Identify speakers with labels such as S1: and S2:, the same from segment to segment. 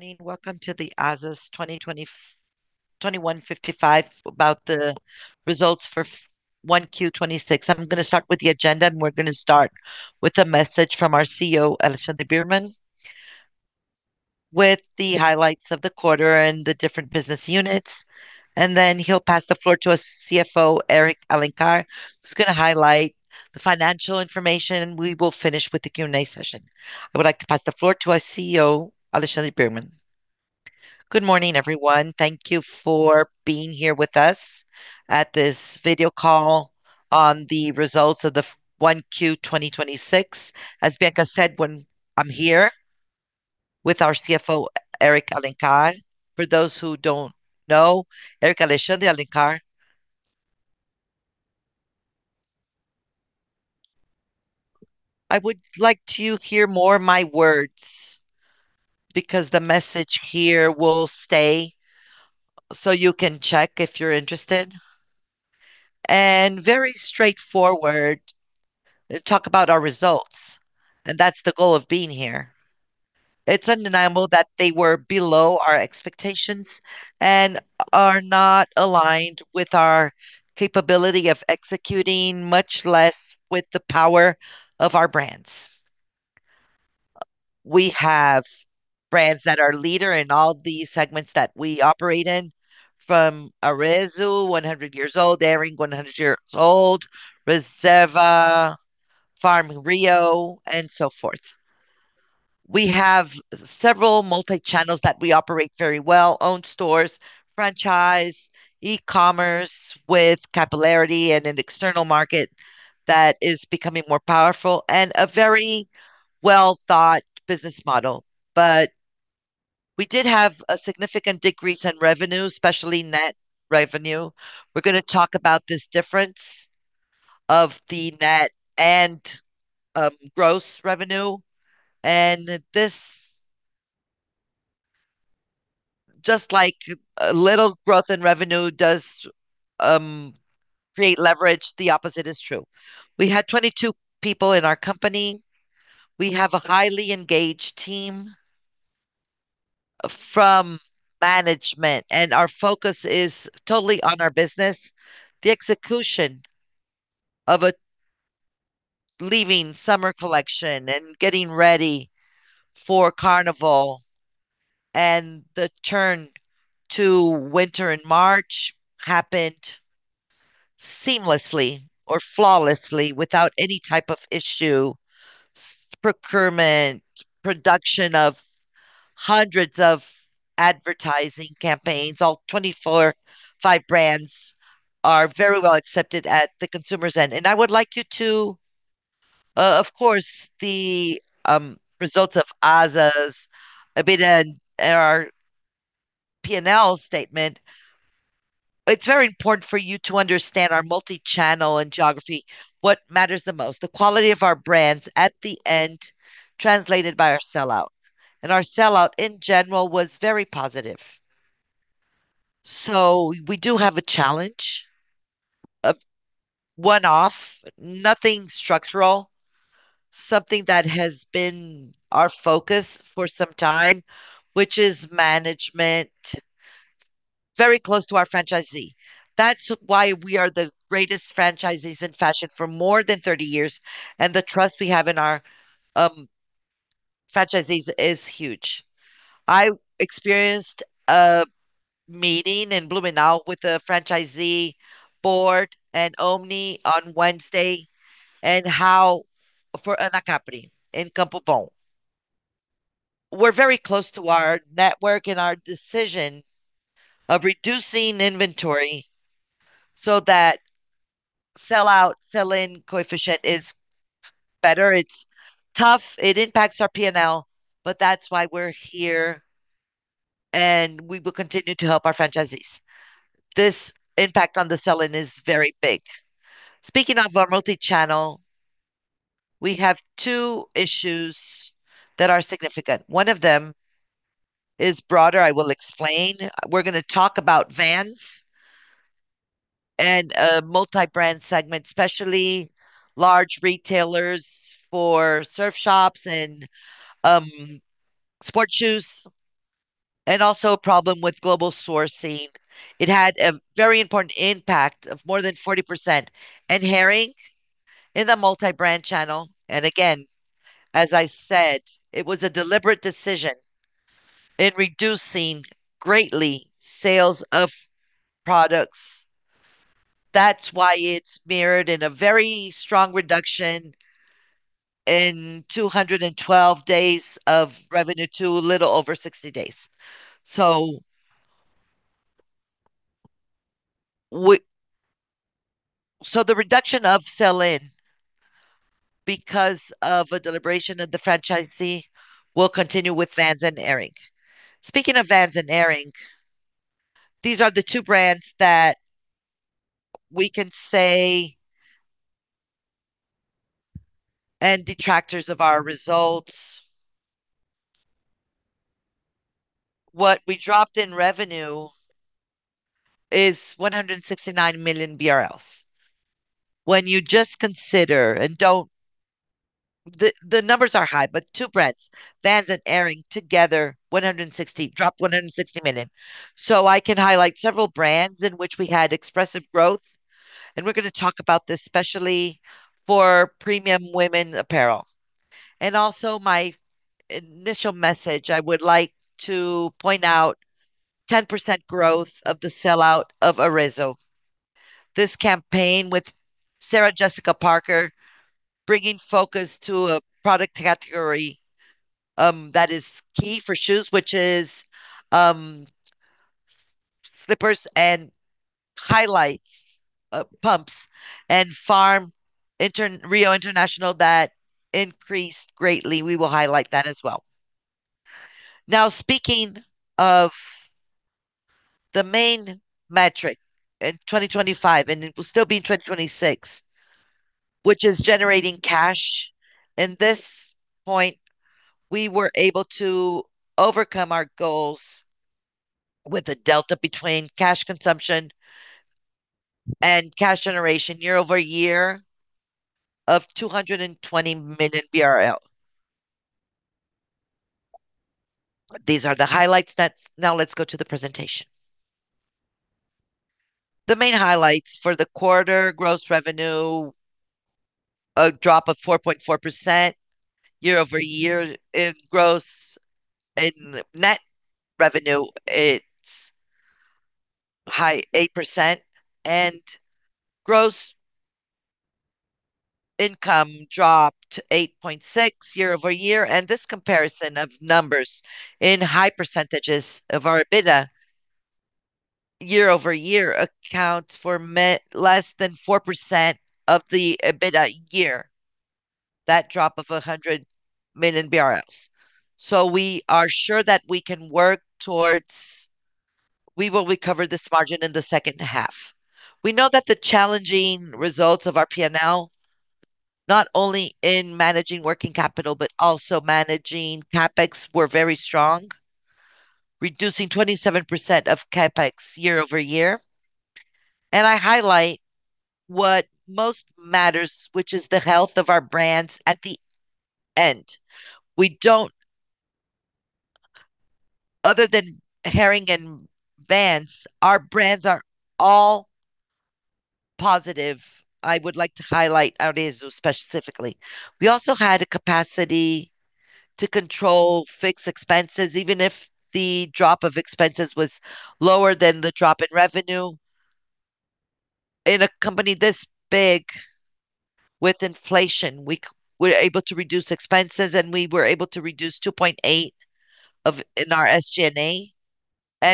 S1: Morning. Welcome to the Azzas 2154 about the results for 1Q 2026. I'm gonna start with the agenda. We're gonna start with a message from our CEO, Alexandre Birman, with the highlights of the quarter and the different business units. Then he'll pass the floor to our CFO, Eric Alencar, who's gonna highlight the financial information. We will finish with the Q&A session. I would like to pass the floor to our CEO, Alexandre Birman.
S2: Good morning, everyone. Thank you for being here with us at this video call on the results of the 1Q 2026. As Bianca said, when I'm here with our CFO, Eric Alencar. For those who don't know, Eric Alexandre Alencar. I would like to hear more of my words because the message here will stay, so you can check if you're interested, and very straightforward talk about our results, and that's the goal of being here. It's undeniable that they were below our expectations and are not aligned with our capability of executing, much less with the power of our brands. We have brands that are leader in all the segments that we operate in, from Arezzo, 100 years old, Hering, 100 years old, Reserva, Farm Rio, and so forth. We have several multi-channels that we operate very well: own stores, franchise, e-commerce with capillarity in an external market that is becoming more powerful, and a very well-thought business model. We did have a significant decrease in revenue, especially net revenue. We're gonna talk about this difference of the net and gross revenue, this just like a little growth in revenue does create leverage, the opposite is true. We had 22 people in our company. We have a highly engaged team from management, and our focus is totally on our business. The execution of a leaving summer collection and getting ready for Carnival and the turn to winter in March happened seamlessly or flawlessly without any type of issue. Procurement, production of hundreds of advertising campaigns, all 24, five brands are very well-accepted at the consumer's end. I would like you to Of course, the results of Azzas have been in our P&L statement. It's very important for you to understand our multi-channel and geography, what matters the most, the quality of our brands at the end translated by our sell-out, our sell-out, in general, was very positive. We do have a challenge of one-off, nothing structural, something that has been our focus for some time, which is management very close to our franchisee. That's why we are the greatest franchisees in fashion for more than 30 years, the trust we have in our franchisees is huge. I experienced a meeting in Blumenau with the franchisee board and Omni on Wednesday. We're very close to our network in our decision of reducing inventory so that sell-out, sell-in coefficient is better. It's tough. It impacts our P&L, that's why we're here, we will continue to help our franchisees. This impact on the sell-in is very big. Speaking of our multi-channel, we have two issues that are significant. One of them is broader. I will explain. We're going to talk about Vans and a multi-brand segment, especially large retailers for surf shops and sport shoes, and also a problem with global sourcing. It had a very important impact of more than 40%. Hering in the multi-brand channel, and again, as I said, it was a deliberate decision in reducing greatly sales of products. That's why it's mirrored in a very strong reduction in 212 days of revenue to a little over 60 days. The reduction of sell-in because of a deliberation of the franchisee will continue with Vans and Hering. Speaking of Vans and Hering, these are the two brands that we can say and detractors of our results. What we dropped in revenue is 169 million BRL. When you just consider, the numbers are high, but two brands, Vans and Hering together, dropped 160 million. I can highlight several brands in which we had expressive growth, and we are going to talk about this especially for premium women apparel. Also my initial message, I would like to point out 10% growth of the sell-out of Arezzo. This campaign with Sarah Jessica Parker bringing focus to a product category that is key for shoes, which is slippers and highlights pumps. Farm Rio International, that increased greatly. We will highlight that as well. Speaking of the main metric in 2025, and it will still be in 2026, which is generating cash. In this point, we were able to overcome our goals with the delta between cash consumption and cash generation year-over-year of BRL 220 million. These are the highlights. Now let's go to the presentation. The main highlights for the quarter, gross revenue, a drop of 4.4% year-over-year. In net revenue it's high 8%, gross income dropped 8.6% year-over-year. This comparison of numbers in high percentages of our EBITDA year-over-year accounts for less than 4% of the EBITDA year. That drop of 100 million. We are sure that we can work towards. We will recover this margin in the second half. We know that the challenging results of our P&L, not only in managing working capital, but also managing CapEx were very strong, reducing 27% of CapEx year-over-year. I highlight what most matters, which is the health of our brands at the end. Other than Hering and Vans, our brands are all positive. I would like to highlight Arezzo specifically. We also had a capacity to control fixed expenses, even if the drop of expenses was lower than the drop in revenue. In a company this big with inflation, we're able to reduce expenses, we were able to reduce 2.8 in our SG&A.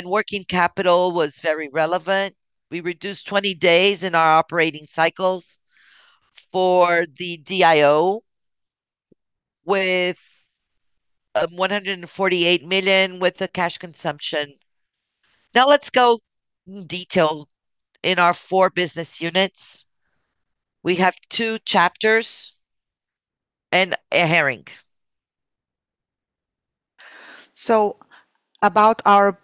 S2: Working capital was very relevant. We reduced 20 days in our operating cycles for the DIO with 148 million with the cash consumption. Now let's go in detail in our four business units. We have tow chapters and Hering. About our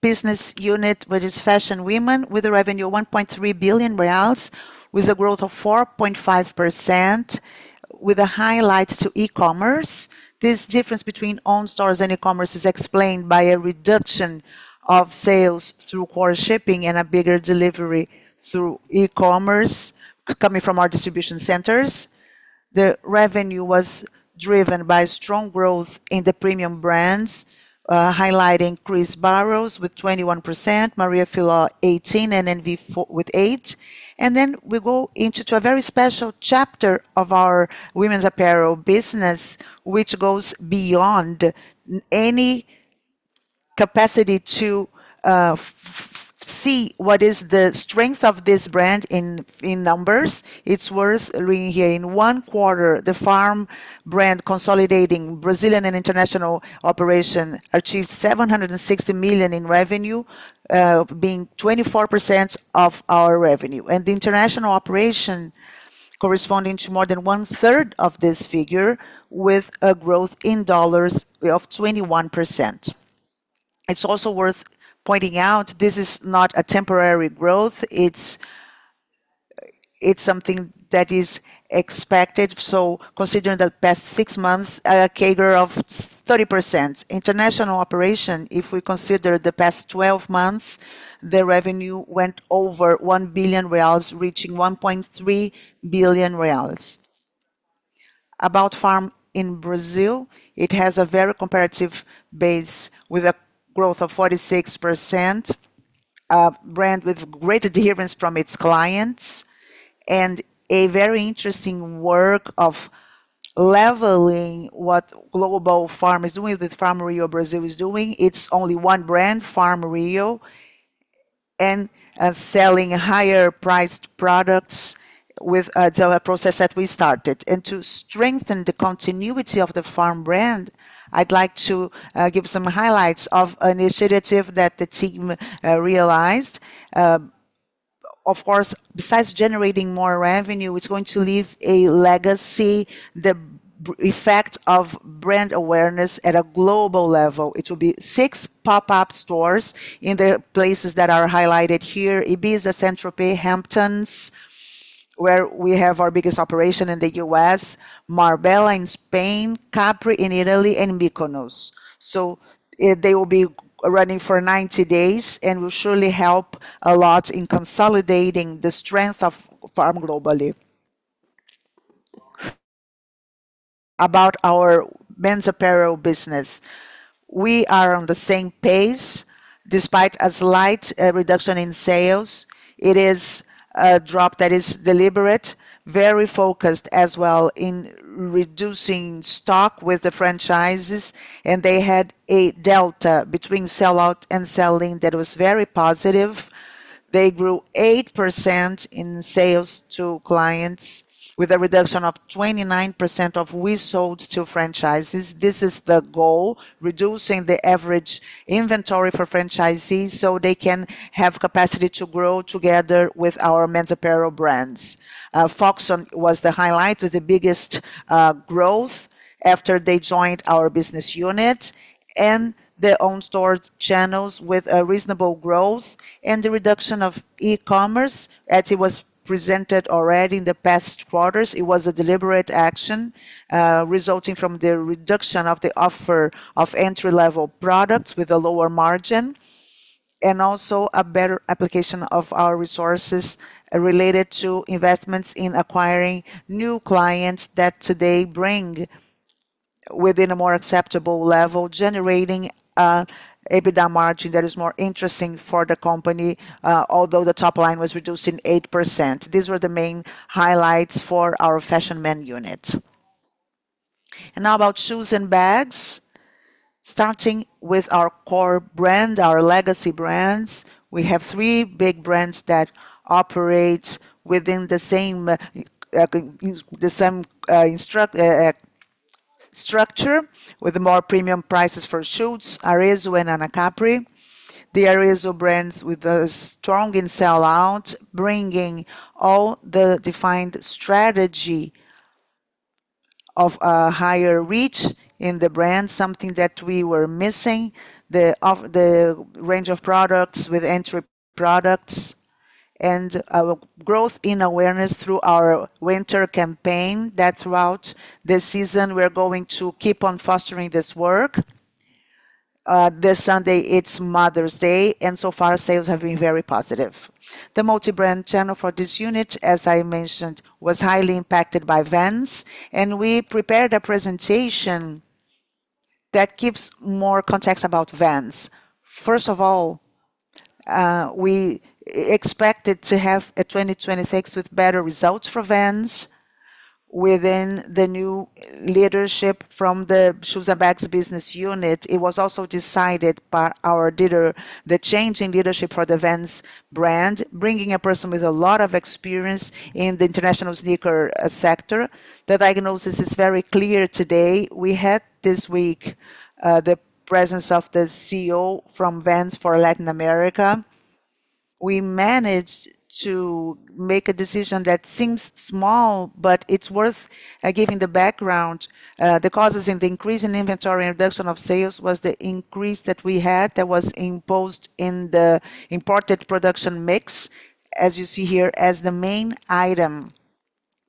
S2: business unit, which is fashion women, with a revenue of 1.3 billion reais, with a growth of 4.5%, with a highlight to e-commerce. This difference between own stores and e-commerce is explained by a reduction of sales through cross-shipping and a bigger delivery through e-commerce coming from our distribution centers. The revenue was driven by strong growth in the premium brands, highlighting Cris Barros with 21%, Maria Filó 18%, and NV with 8%. We go into a very special chapter of our women's apparel business which goes beyond any capacity to see what is the strength of this brand in numbers. It is worth reading here. In one quarter, the Farm brand consolidating Brazilian and international operation achieved 760 million in revenue, being 24% of our revenue. The international operation corresponding to more than one-third of this figure, with a growth in USD of 21%. It's also worth pointing out this is not a temporary growth, it's something that is expected. Considering the past six months, CAGR of 30%. International operation, if we consider the past 12 months, the revenue went over 1 billion reais, reaching 1.3 billion reais. About Farm Rio in Brazil, it has a very comparative base with a growth of 46%, a brand with great adherence from its clients. A very interesting work of leveling what Farm Rio International is doing with Farm Rio Brazil is doing, it's only one brand, Farm Rio, selling higher priced products with the process that we started. To strengthen the continuity of the Farm brand, I'd like to give some highlights of initiative that the team realized. Of course, besides generating more revenue, it's going to leave a legacy, the effect of brand awareness at a global level. It will be six pop-up stores in the places that are highlighted here. Ibiza, Saint-Tropez, Hamptons, where we have our biggest operation in the U.S. Marbella in Spain, Capri in Italy, and Mykonos. They will be running for 90 days and will surely help a lot in consolidating the strength of Farm globally. About our men's apparel business. We are on the same pace despite a slight reduction in sales. It is a drop that is deliberate, very focused as well in reducing stock with the franchises, and they had a delta between sell-out and sell-in that was very positive. They grew 8% in sales to clients with a reduction of 29% of wholesale to franchises. This is the goal, reducing the average inventory for franchisees, so they can have capacity to grow together with our men's apparel brands. Foxton was the highlight with the biggest growth after they joined our business unit and their own store channels with a reasonable growth and the reduction of e-commerce as it was presented already in the past quarters. It was a deliberate action, resulting from the reduction of the offer of entry-level products with a lower margin, and also a better application of our resources related to investments in acquiring new clients that today bring within a more acceptable level, generating a EBITDA margin that is more interesting for the company, although the top line was reduced in 8%. These were the main highlights for our fashion men unit. Now about shoes and bags. Starting with our core brand, our legacy brands, we have three big brands that operate within the same, the same structure with more premium prices for shoes, Arezzo and Anacapri. The Arezzo brands with a strong in sell-out, bringing all the defined strategy of a higher reach in the brand, something that we were missing. The range of products with entry products and a growth in awareness through our winter campaign that throughout this season we're going to keep on fostering this work. This Sunday, it's Mother's Day, and so far sales have been very positive. The multi-brand channel for this unit, as I mentioned, was highly impacted by Vans, and we prepared a presentation that gives more context about Vans. First of all, we expected to have a 2026 with better results for Vans within the new leadership from the shoes and bags business unit. It was also decided by our leader, the change in leadership for the Vans brand, bringing a person with a lot of experience in the international sneaker sector. The diagnosis is very clear today. We had this week, the presence of the CEO from Vans for Latin America. We managed to make a decision that seems small, but it's worth giving the background. The causes in the increase in inventory and reduction of sales was the increase that we had that was imposed in the imported production mix, as you see here, as the main item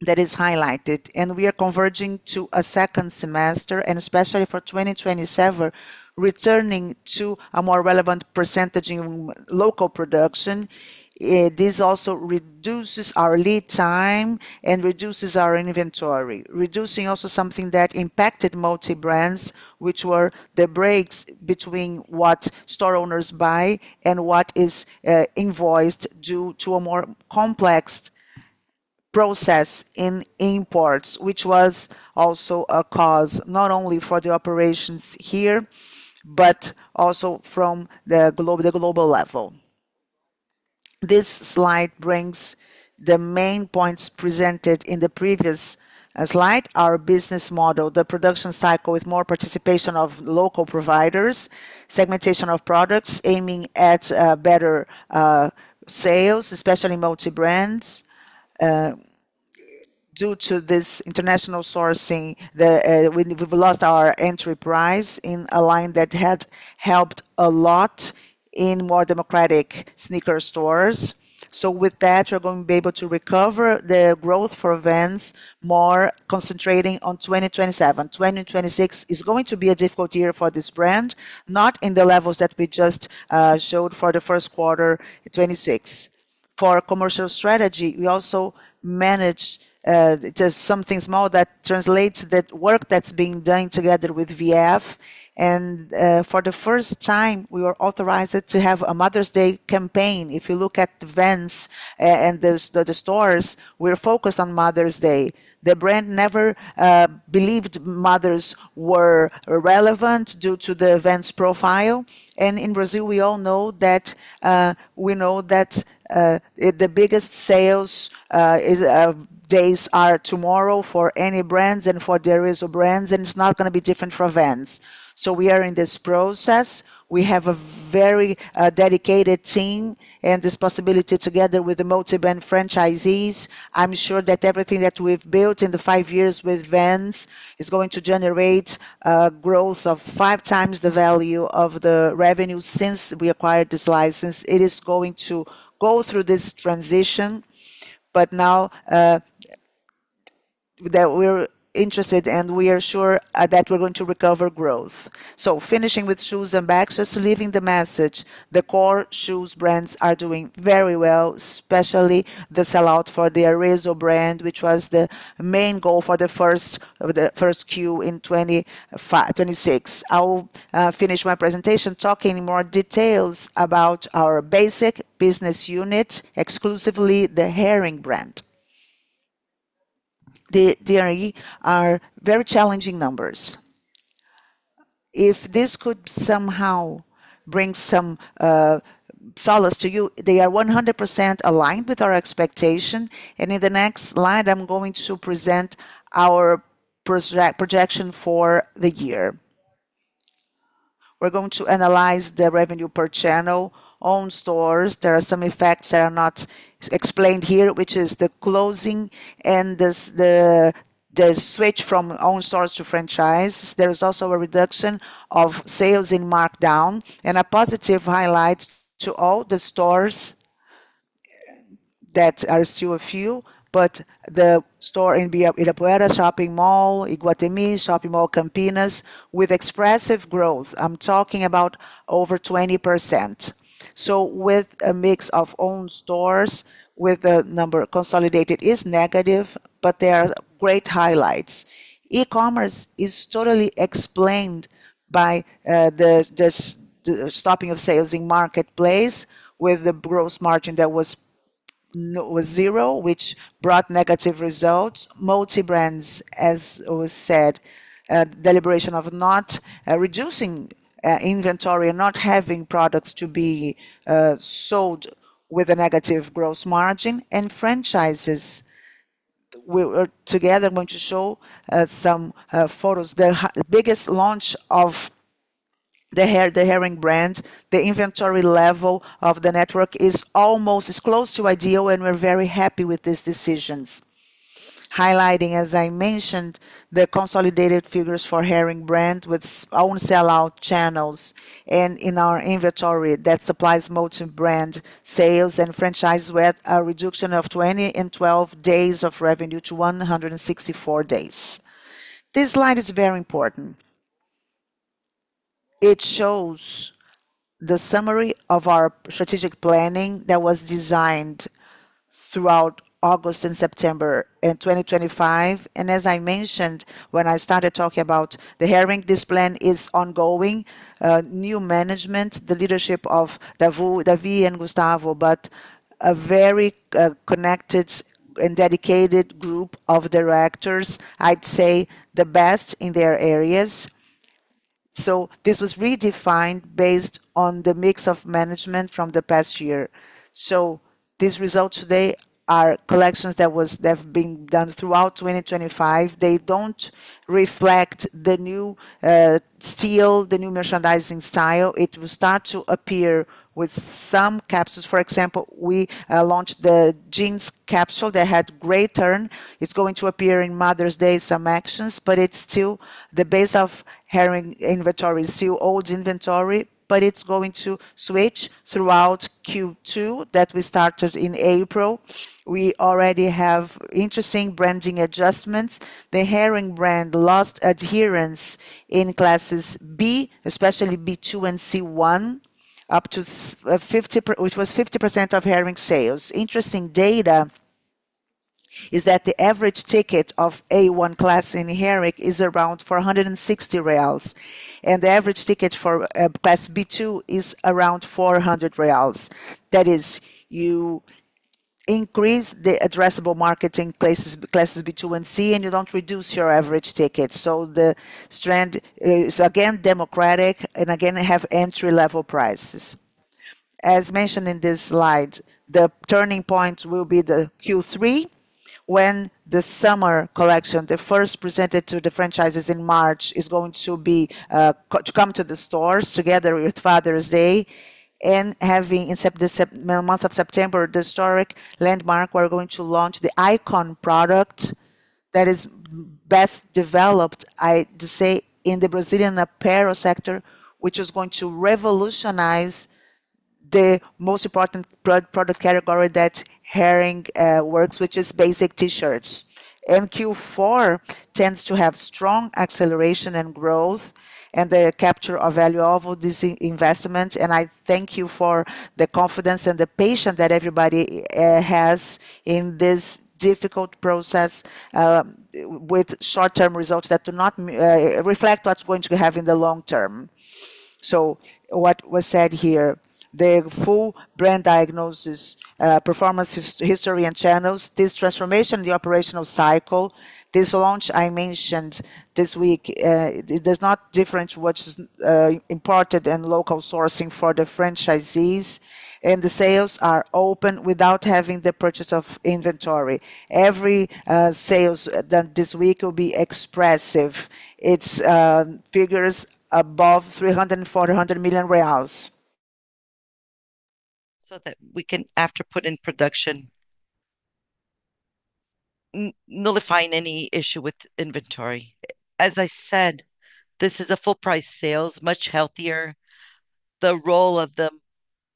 S2: that is highlighted. We are converging to a second semester, and especially for 2027, returning to a more relevant percentage in local production. This also reduces our lead time and reduces our inventory. Reducing also something that impacted multi-brands, which were the breaks between what store owners buy and what is invoiced due to a more complex process in imports, which was also a cause, not only for the operations here, but also from the global level. This slide brings the main points presented in the previous slide. Our business model, the production cycle with more participation of local providers, segmentation of products aiming at better sales, especially multi-brands. Due to this international sourcing, the we've lost our entry price in a line that had helped a lot in more democratic sneaker stores. With that, we're going to be able to recover the growth for Vans more concentrating on 2027. 2026 is going to be a difficult year for this brand, not in the levels that we just showed for the first quarter, 2026. For commercial strategy, we also managed just something small that translates that work that's being done together with VF. For the first time, we were authorized to have a Mother's Day campaign. If you look at Vans and the stores, we're focused on Mother's Day. The brand never believed mothers were relevant due to the Vans profile. In Brazil, we all know that we know that the biggest sales days are tomorrow for any brands and for the Arezzo brands, and it's not going to be different for Vans. We are in this process. We have a very dedicated team and this possibility together with the multi-brand franchisees. I'm sure that everything that we've built in the five years with Vans is going to generate growth of five times the value of the revenue since we acquired this license. It is going to go through this transition, but now that we're interested and we are sure that we're going to recover growth. Finishing with shoes and bags, just leaving the message. The core shoes brands are doing very well, especially the sell-out for the Arezzo brand, which was the main goal for the first, the first Q in 2026. I will finish my presentation talking more details about our basic business unit, exclusively the Hering brand. The data are very challenging numbers. If this could somehow bring some solace to you, they are 100% aligned with our expectation. In the next slide, I'm going to present our projection for the year. We're going to analyze the revenue per channel. Own stores, there are some effects that are not explained here, which is the closing and the switch from own stores to franchise. There is also a reduction of sales in markdown and a positive highlight to all the stores that are still a few, but the store in Ibirapuera Shopping Mall, Iguatemi Shopping Mall, Campinas with expressive growth. I'm talking about over 20%. With a mix of own stores with the number consolidated is negative, but there are great highlights. E-commerce is totally explained by the stopping of sales in marketplace with the gross margin that was zero, which brought negative results. Multi-brands, as was said, deliberation of not reducing inventory and not having products to be sold with a negative gross margin. Franchises, we're together going to show some photos. The biggest launch of the Hering brand, the inventory level of the network is almost as close to ideal, and we're very happy with these decisions. Highlighting, as I mentioned, the consolidated figures for Hering brand with own sell-out channels and in our inventory that supplies multi-brand sales and franchise with a reduction of 20 and 12 days of revenue to 164 days. This slide is very important. It shows the summary of our strategic planning that was designed throughout August and September in 2025. As I mentioned when I started talking about the Hering, this plan is ongoing. New management, the leadership of David and Gustavo, but a very connected and dedicated group of directors, I'd say the best in their areas. This was redefined based on the mix of management from the past year. These results today are collections that they've been done throughout 2025. They don't reflect the new feel, the new merchandising style. It will start to appear with some capsules. For example, we launched the jeans capsule that had great turn. It's going to appear in Mother's Day, some actions, but it's still the base of Hering inventory, still old inventory, but it's going to switch throughout Q2 that we started in April. We already have interesting branding adjustments. The Hering brand lost adherence in classes B, especially B2 and C1, up to which was 50% of Hering sales. Interesting data is that the average ticket of A1 class in Hering is around 460 reais, and the average ticket for class B2 is around 400 reais. That is you increase the addressable marketing places, classes B2 and C, and you don't reduce your average ticket. The strength is again democratic and again have entry-level prices. As mentioned in this slide, the turning point will be the Q3 when the summer collection, the first presented to the franchises in March, is going to come to the stores together with Father's Day. Having in the month of September, the historic landmark, we're going to launch the icon product that is best developed, I just say, in the Brazilian apparel sector, which is going to revolutionize the most important product category that Hering works, which is basic T-shirts. Q4 tends to have strong acceleration and growth and the capture of value of all these investments. I thank you for the confidence and the patience that everybody has in this difficult process, with short-term results that do not reflect what's going to have in the long term. What was said here, the full brand diagnosis, performance history and channels, this transformation, the operational cycle, this launch I mentioned this week, does not differentiate what's imported and local sourcing for the franchisees, and the sales are open without having the purchase of inventory. Every sales done this week will be expressive. It's figures above 300 million reais and 400 million reais. That we can after put in production. Nullifying any issue with inventory. As I said, this is a full price sales, much healthier. The role of the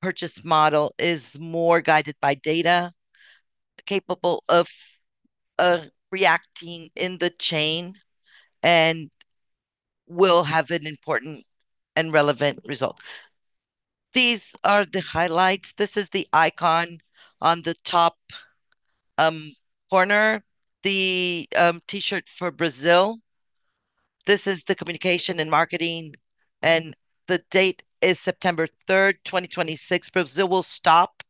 S2: purchase model is more guided by data, capable of reacting in the chain, and will have an important and relevant result. These are the highlights. This is the icon on the top corner, the T-shirt for Brazil. This is the communication and marketing. The date is September 3rd, 2026. Brazil will stop.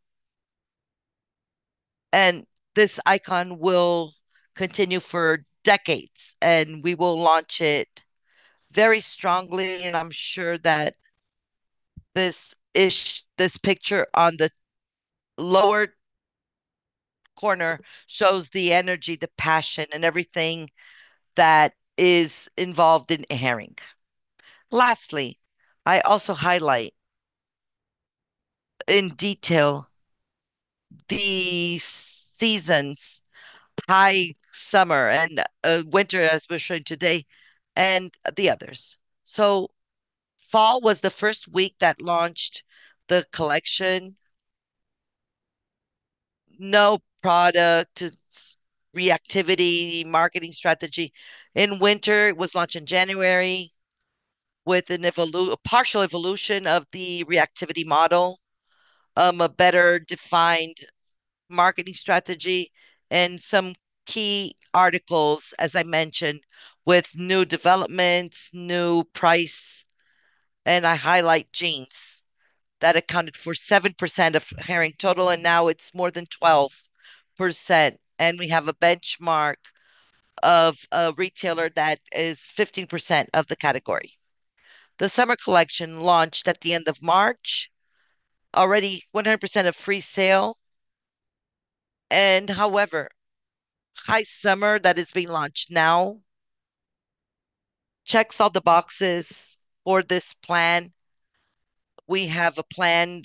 S2: This icon will continue for decades, and we will launch it very strongly. I'm sure that this picture on the lower corner shows the energy, the passion, and everything that is involved in Hering. Lastly, I also highlight in detail the seasons, high summer and winter as we're showing today, and the others. Fall was the first week that launched the collection. No product reactivity marketing strategy. In winter, it was launched in January with a partial evolution of the reactivity model, a better defined marketing strategy and some key articles, as I mentioned, with new developments, new price. I highlight jeans. That accounted for 7% of Hering total, and now it's more than 12%. We have a benchmark of a retailer that is 15% of the category. The summer collection launched at the end of March, already 100% of free sale. However, high summer that is being launched now checks all the boxes for this plan. We have a plan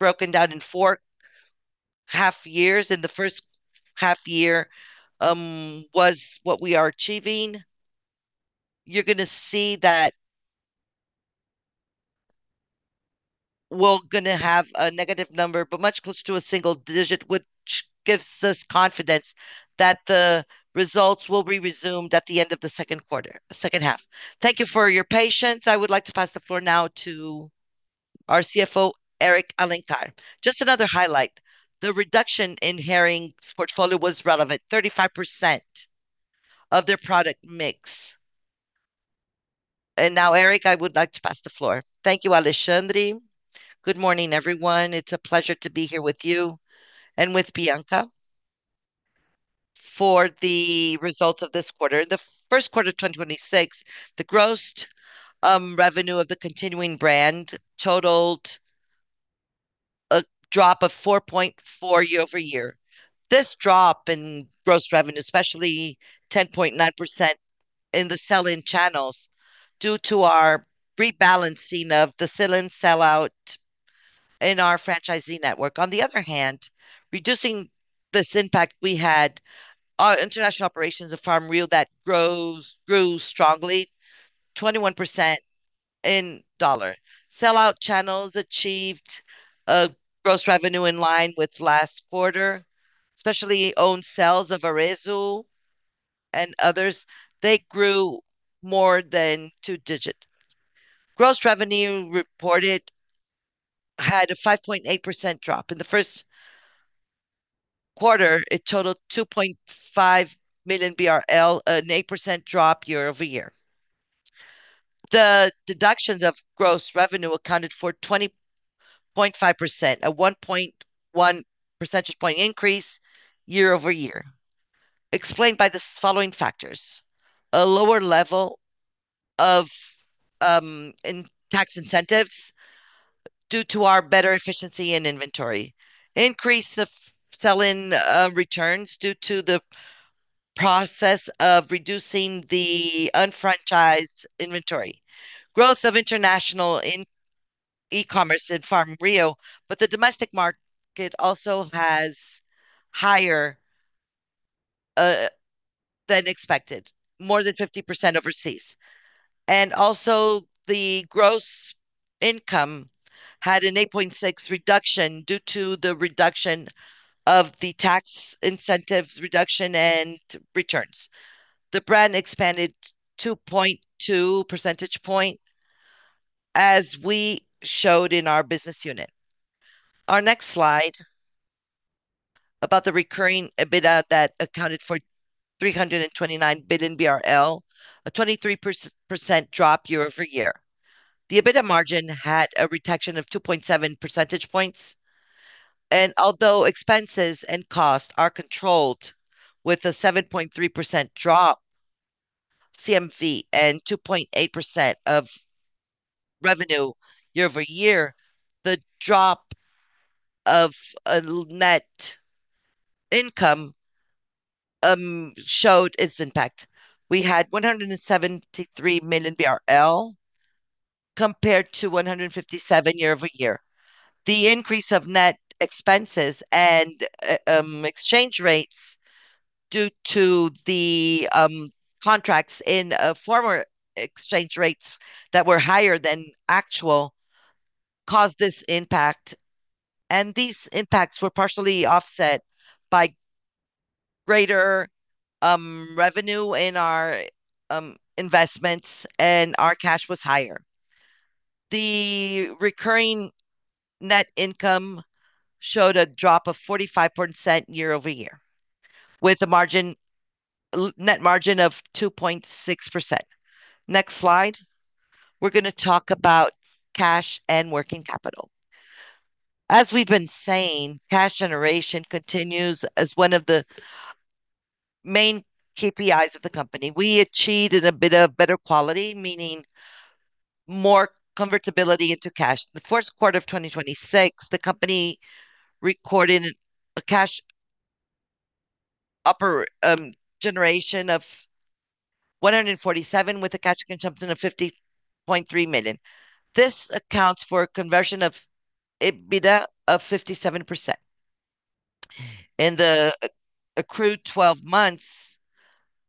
S2: broken down in four half years. In the first half year, was what we are achieving. You're gonna see that we're gonna have a negative number, but much closer to a single digit, which gives us confidence that the results will be resumed at the end of the second quarter, second half. Thank you for your patience. I would like to pass the floor now to our CFO, Eric Alencar. Just another highlight, the reduction in Hering's portfolio was relevant, 35% of their product mix. Now, Eric, I would like to pass the floor.
S3: Thank you, Alexandre. Good morning, everyone. It's a pleasure to be here with you and with Bianca. For the results of this quarter, the first quarter of 2026, the grossed revenue of the continuing brand totaled a drop of 4.4% year-over-year. This drop in gross revenue, especially 10.9% in the sell-in channels, due to our rebalancing of the sell-in, sell-out in our franchising network. On the other hand, reducing this impact, we had our international operations of Farm Rio that grew strongly, 21% in USD. Sell-out channels achieved a gross revenue in line with last quarter, especially owned sales of Arezzo and others. They grew more than two digits. Gross revenue reported had a 5.8% drop. In the first quarter, it totaled 2.5 million BRL, an 8% drop year-over-year. The deductions of gross revenue accounted for 20.5%, a 1.1 percentage point increase year-over-year, explained by the following factors: A lower level of, in tax incentives due to our better efficiency in inventory. Increase of sell-in returns due to the process of reducing the unfranchised inventory. Growth of international in e-commerce in Farm Rio, but the domestic market also has higher than expected, more than 50% overseas. The gross income had an 8.6 reduction due to the reduction of the tax incentives reduction and returns. The brand expanded 2.2 percentage point, as we showed in our business unit. Our next slide about the recurring EBITDA that accounted for 329 million BRL, a 23% drop year-over-year. The EBITDA margin had a reduction of 2.7 percentage points. Although expenses and cost are controlled with a 7.3% drop CMV and 2.8% of revenue year-over-year, the drop of a net income showed its impact. We had 173 million BRL compared to 157 year-over-year. The increase of net expenses and exchange rates. Due to the contracts in former exchange rates that were higher than actual caused this impact, and these impacts were partially offset by greater revenue in our investments, and our cash was higher. The recurring net income showed a drop of 45% year over year, with a net margin of 2.6%. Next slide, we're gonna talk about cash and working capital. As we've been saying, cash generation continues as one of the main KPIs of the company. We achieved in a bit of better quality, meaning more convertibility into cash. The first quarter of 2026, the company recorded a cash generation of 147 million, with a cash consumption of 50.3 million. This accounts for a conversion of EBITDA of 57%. In the accrued 12 months,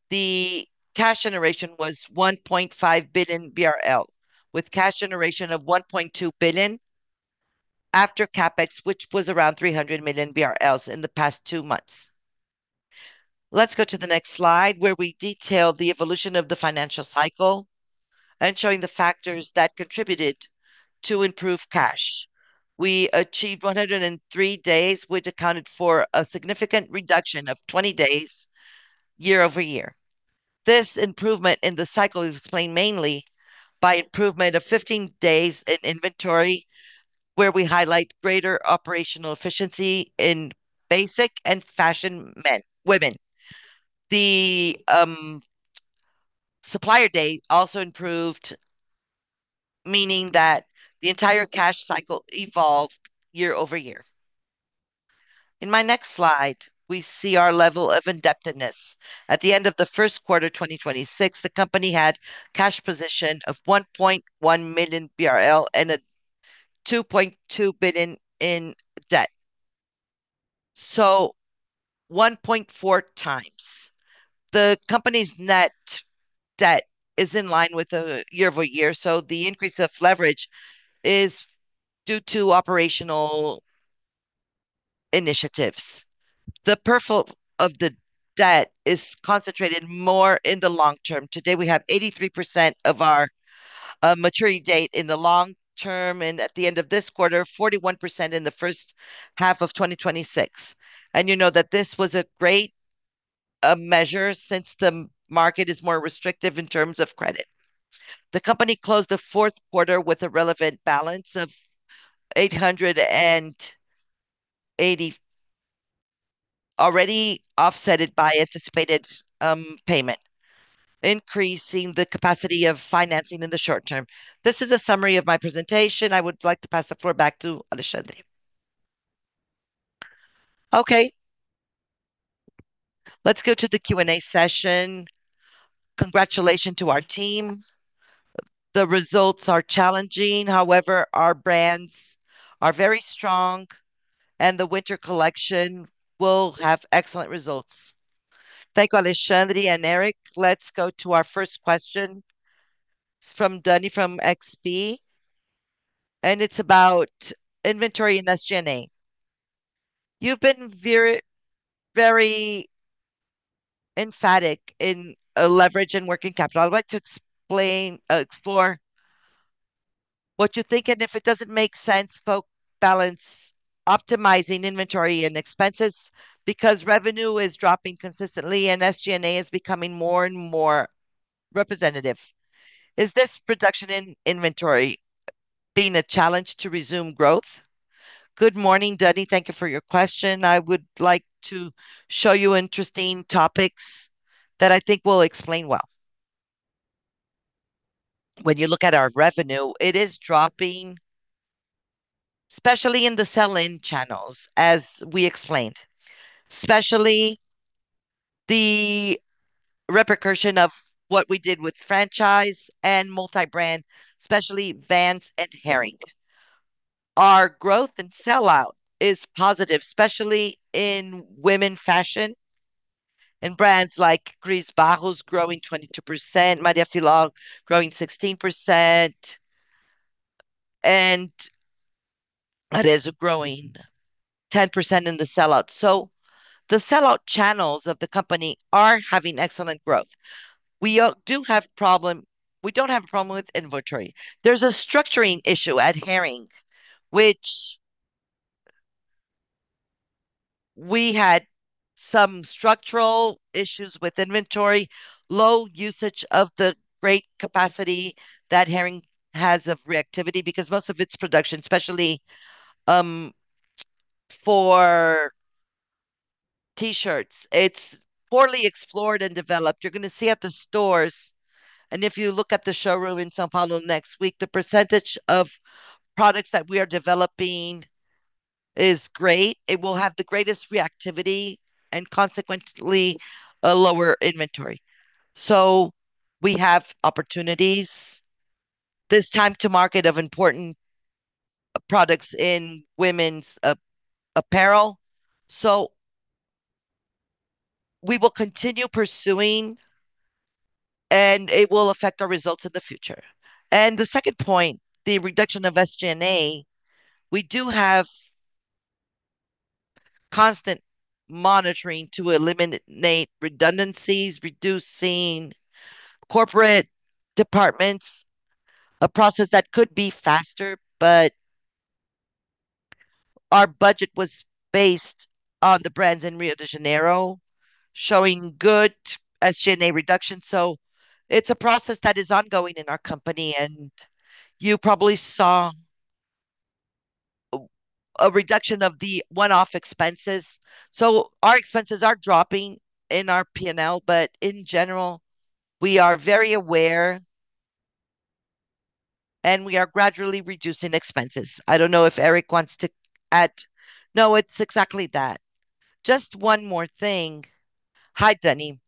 S3: the cash generation was 1.5 billion BRL, with cash generation of 1.2 billion after CapEx, which was around 300 million BRL in the past two months. Let's go to the next slide, where we detail the evolution of the financial cycle and showing the factors that contributed to improve cash. We achieved 103 days, which accounted for a significant reduction of 20 days year over year. This improvement in the cycle is explained mainly by improvement of 15 days in inventory, where we highlight greater operational efficiency in basic and fashion men, women. The supplier day also improved, meaning that the entire cash cycle evolved year over year. In my next slide, we see our level of indebtedness. At the end of the first quarter 2026, the company had cash position of 1.1 million BRL and a 2.2 billion in debt, 1.4x. The company's net debt is in line with the year over year, so the increase of leverage is due to operational initiatives. The profile of the debt is concentrated more in the long term. Today, we have 83% of our maturity date in the long term, and at the end of this quarter, 41% in the first half of 2026. You know that this was a great measure since the market is more restrictive in terms of credit. The company closed the fourth quarter with a relevant balance of 880, already offset by anticipated payment, increasing the capacity of financing in the short term. This is a summary of my presentation. I would like to pass the floor back to Alexandre.
S2: Okay. Let's go to the Q&A session. Congratulations to our team. The results are challenging. However, our brands are very strong, and the winter collection will have excellent results.
S1: Thank you, Alexandre and Eric. Let's go to our first question. It's from Dani from XP, and it's about inventory and SG&A. You've been very emphatic in leverage and working capital. I'd like to explain, explore what you think, and if it doesn't make sense for balance optimizing inventory and expenses because revenue is dropping consistently and SG&A is becoming more and more representative. Is this reduction in inventory being a challenge to resume growth?
S2: Good morning, Dani. Thank you for your question. I would like to show you interesting topics that I think will explain well. When you look at our revenue, it is dropping, especially in the sell-in channels, as we explained, especially the repercussion of what we did with franchise and multi-brand, especially Vans and Hering. Our growth and sell-out is positive, especially in women fashion, in brands like Cris Barros growing 22%, Maria Filó growing 16%, and Arezzo growing 10% in the sell-out. The sell-out channels of the company are having excellent growth. We don't have a problem with inventory. There's a structuring issue at Hering, which we had some structural issues with inventory, low usage of the great capacity that Hering has of reactivity because most of its production, especially for T-shirts, it's poorly explored and developed. You're gonna see at the stores, and if you look at the showroom in São Paulo next week, the percentage of products that we are developing is great. It will have the greatest reactivity and consequently a lower inventory. We have opportunities this time to market of important products in women's apparel. We will continue pursuing and it will affect our results in the future. The second point, the reduction of SG&A, we do have constant monitoring to eliminate redundancies, reducing corporate departments, a process that could be faster, but our budget was based on the brands in Rio de Janeiro showing good SG&A reduction. It's a process that is ongoing in our company, and you probably saw a reduction of the one-off expenses. Our expenses are dropping in our P&L, but in general, we are very aware and we are gradually reducing expenses. I don't know if Eric wants to add.
S3: No, it's exactly that. Just one more thing. Hi, Danni.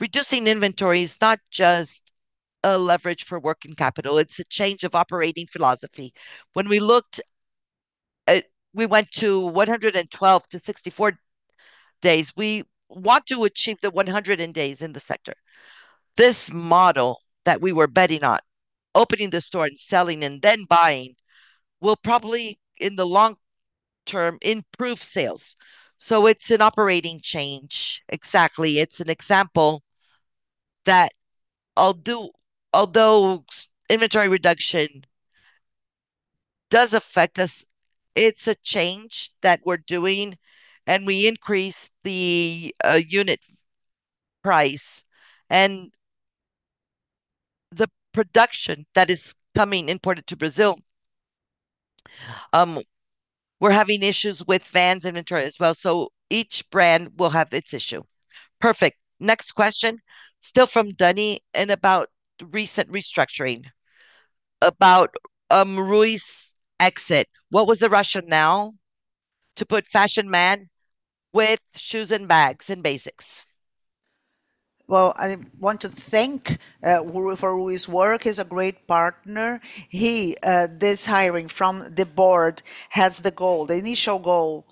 S3: Reducing inventory is not just a leverage for working capital, it's a change of operating philosophy. When we looked, we went to 112 to 64 days. We want to achieve the 100 in days in the sector. This model that we were betting on, opening the store and selling and then buying, will probably in the long term improve sales. It's an operating change. Exactly. It's an example that although inventory reduction does affect us, it's a change that we're doing, and we increase the unit price and the production that is coming imported to Brazil. We're having issues with Vans inventory as well. Each brand will have its issue.
S1: Perfect. Next question, still from Danny and about recent restructuring. About Rui's exit. What was the rationale to put fashion man with shoes and bags and basics?
S2: Well, I want to thank Rui for Rui's work. He's a great partner. He, this hiring from the board has the goal, the initial goal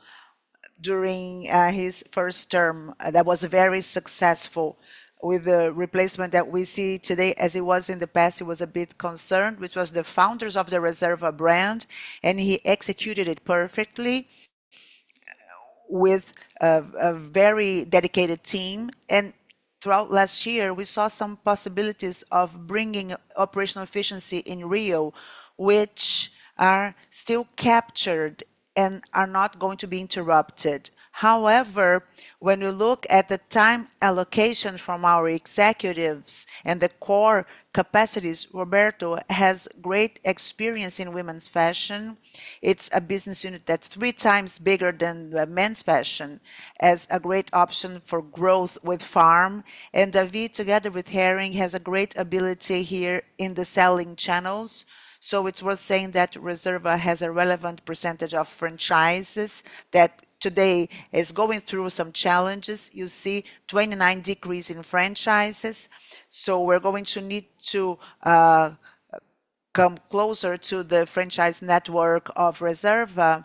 S2: during his first term that was very successful with the replacement that we see today. As it was in the past, he was a bit concerned, which was the founders of the Reserva brand, and he executed it perfectly with a very dedicated team. Throughout last year, we saw some possibilities of bringing operational efficiency in Rio, which are still captured and are not going to be interrupted. However, when we look at the time allocation from our executives and the core capacities, Roberto has great experience in women's fashion. It's a business unit that's three times bigger than the men's fashion as a great option for growth with Farm. David, together with Hering, has a great ability here in the selling channels. It's worth saying that Reserva has a relevant percentage of franchises that today is going through some challenges. You see 29 decrease in franchises. We're going to need to come closer to the franchise network of Reserva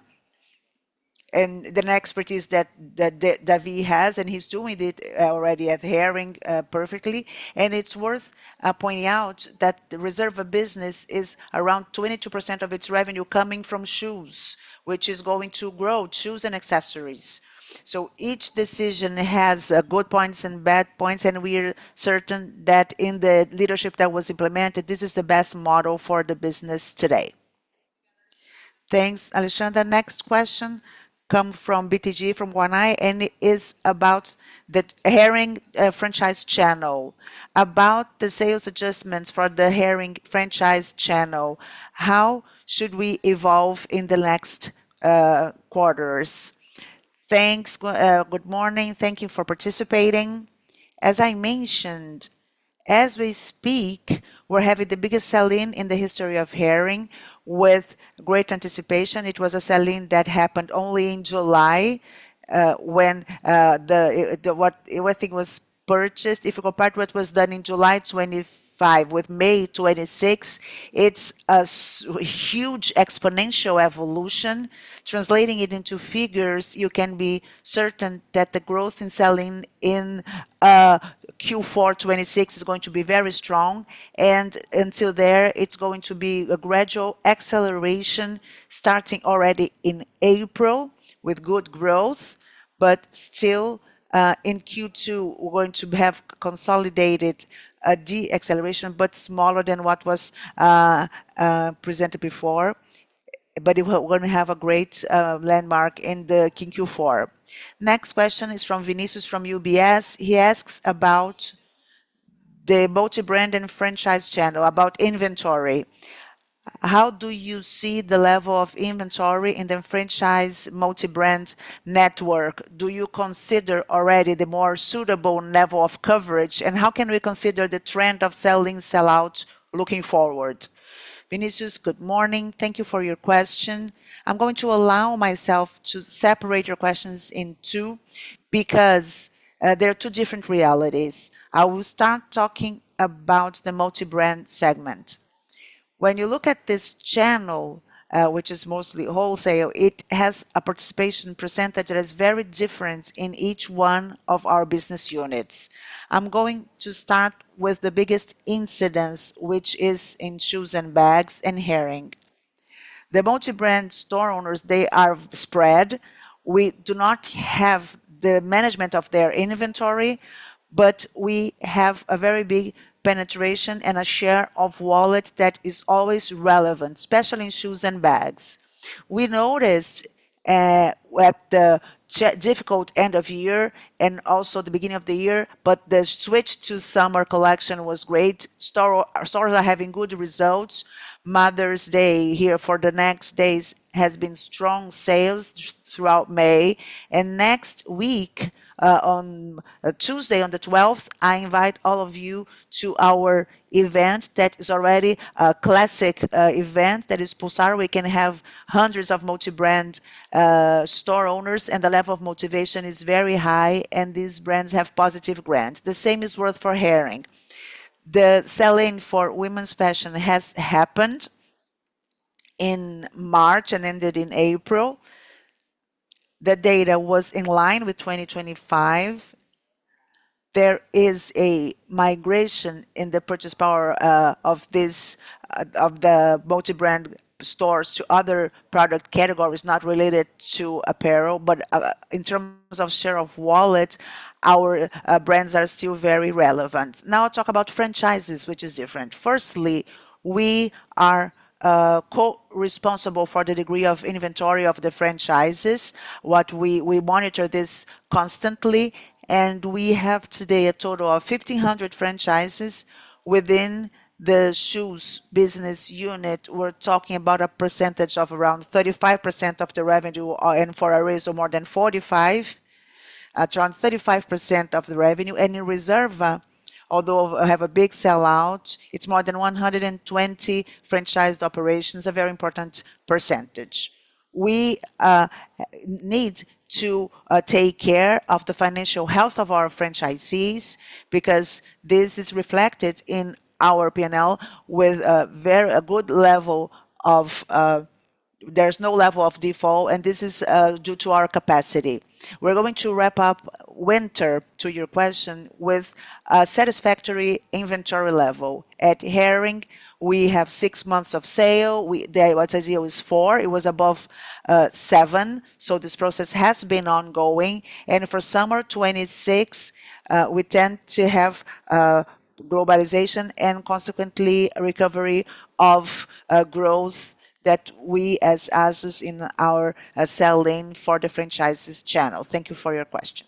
S2: and the expertise that David has, and he's doing it already at Hering perfectly. It's worth pointing out that the Reserva business is around 22% of its revenue coming from shoes, which is going to grow, shoes and accessories. Each decision has good points and bad points, and we're certain that in the leadership that was implemented, this is the best model for the business today.
S1: Thanks, Alexandre. Next question come from BTG from Guanais, and it is about the Hering franchise channel. About the sales adjustments for the Hering franchise channel, how should we evolve in the next quarters?
S2: Thanks. Good morning. Thank you for participating. As I mentioned, as we speak, we're having the biggest sale in the history of Hering with great anticipation. It was a sale that happened only in July, when everything was purchased. If you compare what was done in July 2025 with May 2026, it's a huge exponential evolution. Translating it into figures, you can be certain that the growth in sell-in in Q4 2026 is going to be very strong. Until there, it's going to be a gradual acceleration starting already in April with good growth. Still, in Q2, we're going to have consolidated a deceleration, but smaller than what was presented before, but it gonna have a great landmark in the Q4.
S1: Next question is from Vinicius from UBS. He asks about the multi-brand and franchise channel, about inventory. How do you see the level of inventory in the franchise multi-brand network? Do you consider already the more suitable level of coverage? How can we consider the trend of selling sellout looking forward?
S2: Vinicius, good morning. Thank you for your question. I'm going to allow myself to separate your questions in two because they are two different realities. I will start talking about the multi-brand segment. When you look at this channel, which is mostly wholesale, it has a participation percentage that is very different in each one of our business units. I'm going to start with the biggest incidence, which is in shoes and bags and Hering. The multi-brand store owners, they are spread. We do not have the management of their inventory, but we have a very big penetration and a share of wallet that is always relevant, especially in shoes and bags. We noticed at the difficult end of year and also the beginning of the year, but the switch to summer collection was great. Stores are having good results. Mother's Day here for the next days has been strong sales throughout May. Next week, on Tuesday, on the 12th, I invite all of you to our event that is already a classic event that is Pulsar. We can have hundreds of multi-brand store owners, and the level of motivation is very high, and these brands have positive brands. The same is worth for Hering. The sell-in for women's fashion has happened in March and ended in April. The data was in line with 2025. There is a migration in the purchase power of this of the multi-brand stores to other product categories not related to apparel. In terms of share of wallet, our brands are still very relevant. Now I'll talk about franchises, which is different. Firstly, we are co-responsible for the degree of inventory of the franchises. We monitor this constantly, and we have today a total of 1,500 franchises within the shoes business unit. We're talking about a percentage of around 35% of the revenue, and for Arezzo more than 45. Around 35% of the revenue. In Reserva, although have a big sell-out, it's more than 120 franchised operations, a very important percentage. We need to take care of the financial health of our franchisees because this is reflected in our P&L with a very good level of. There's no level of default, and this is due to our capacity. We're going to wrap up winter, to your question, with a satisfactory inventory level. At Hering, we have six months of sale. What I said was four. It was above seven, this process has been ongoing. For summer 2026, we tend to have globalization and consequently recovery of growth that we as is in our sell-in for the franchisees channel. Thank you for your question.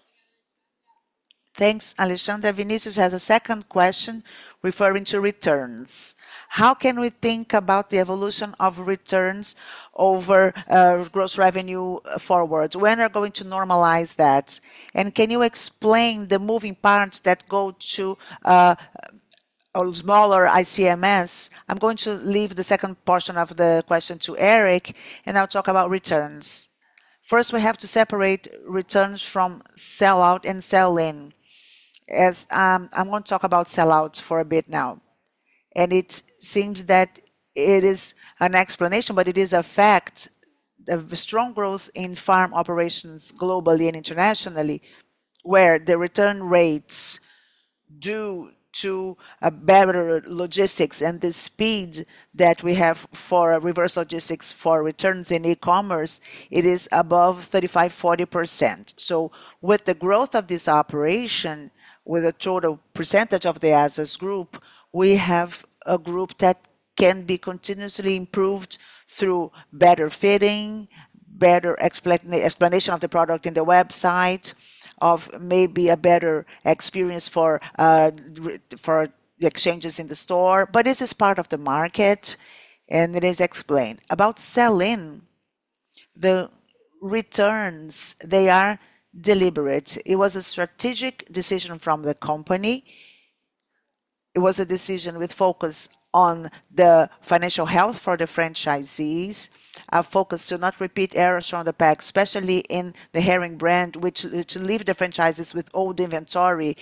S1: Thanks, Alexandre. Vinicius has a second question referring to returns. How can we think about the evolution of returns over gross revenue forward? When are you going to normalize that? Can you explain the moving parts that go to a smaller ICMS?
S2: I'm going to leave the second portion of the question to Eric, and I'll talk about returns. First, we have to separate returns from sell-out and sell-in, as I'm gonna talk about sell-outs for a bit now. It seems that it is an explanation, but it is a fact. The strong growth in Farm operations globally and internationally, where the return rates due to a better logistics and the speed that we have for reverse logistics for returns in e-commerce, it is above 35%, 40%. With the growth of this operation, with a total percentage of the Azzas Group, we have a group that can be continuously improved through better fitting, better explanation of the product in the website, of maybe a better experience for the exchanges in the store. This is part of the market, and it is explained. About sell-in, the returns, they are deliberate. It was a strategic decision from the company. It was a decision with focus on the financial health for the franchisees, a focus to not repeat errors from the past, especially in the Hering brand, which to leave the franchises with old inventory.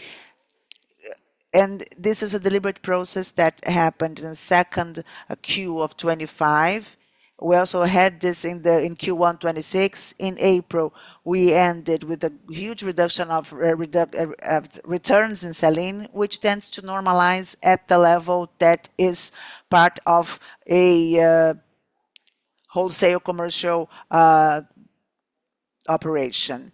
S2: This is a deliberate process that happened in the second Q of 2025. We also had this in the, in Q1 2026. In April, we ended with a huge reduction of returns in sell-in, which tends to normalize at the level that is part of a wholesale commercial operation.